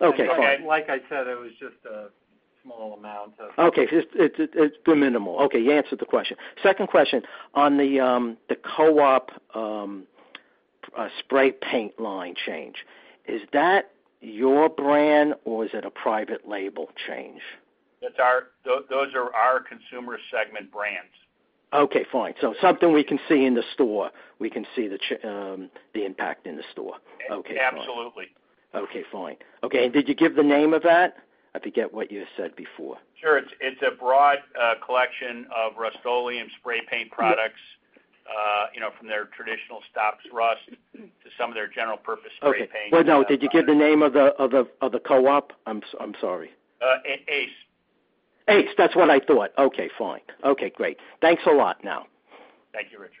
[SPEAKER 18] Okay, fine.
[SPEAKER 5] Like I said, it was just a small amount of-
[SPEAKER 18] Okay. It's de minimis. Okay. You answered the question. Second question, on the co-op spray paint line change, is that your brand or is it a private label change?
[SPEAKER 2] Those are our consumer segment brands.
[SPEAKER 18] Okay, fine. Something we can see in the store. We can see the impact in the store. Okay, fine.
[SPEAKER 2] Absolutely.
[SPEAKER 18] Okay, fine. Okay, did you give the name of that? I forget what you said before.
[SPEAKER 2] Sure. It's a broad collection of Rust-Oleum spray paint products from their traditional Stops Rust to some of their general purpose spray paints.
[SPEAKER 18] Okay. Well, no, did you give the name of the co-op? I'm sorry.
[SPEAKER 2] Ace.
[SPEAKER 18] Ace, that's what I thought. Okay, fine. Okay, great. Thanks a lot now.
[SPEAKER 2] Thank you, Richard.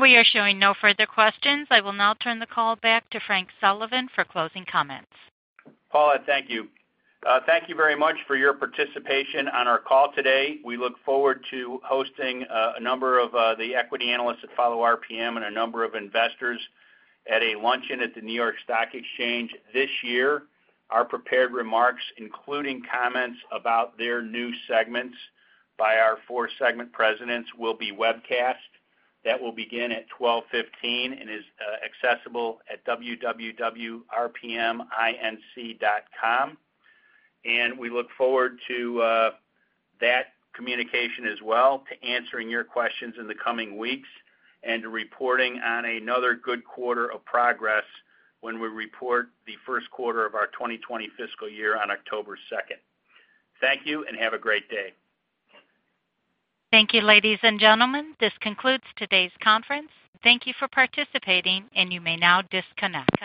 [SPEAKER 1] We are showing no further questions. I will now turn the call back to Frank Sullivan for closing comments.
[SPEAKER 2] Paula, thank you. Thank you very much for your participation on our call today. We look forward to hosting a number of the equity analysts that follow RPM and a number of investors at a luncheon at the New York Stock Exchange this year. Our prepared remarks, including comments about their new segments by our four segment presidents, will be webcast. That will begin at 12:15 P.M. and is accessible at www.rpminc.com. We look forward to that communication as well, to answering your questions in the coming weeks, and to reporting on another good quarter of progress when we report the first quarter of our 2020 fiscal year on October 2nd. Thank you, and have a great day.
[SPEAKER 1] Thank you, ladies and gentlemen. This concludes today's conference. Thank you for participating, and you may now disconnect.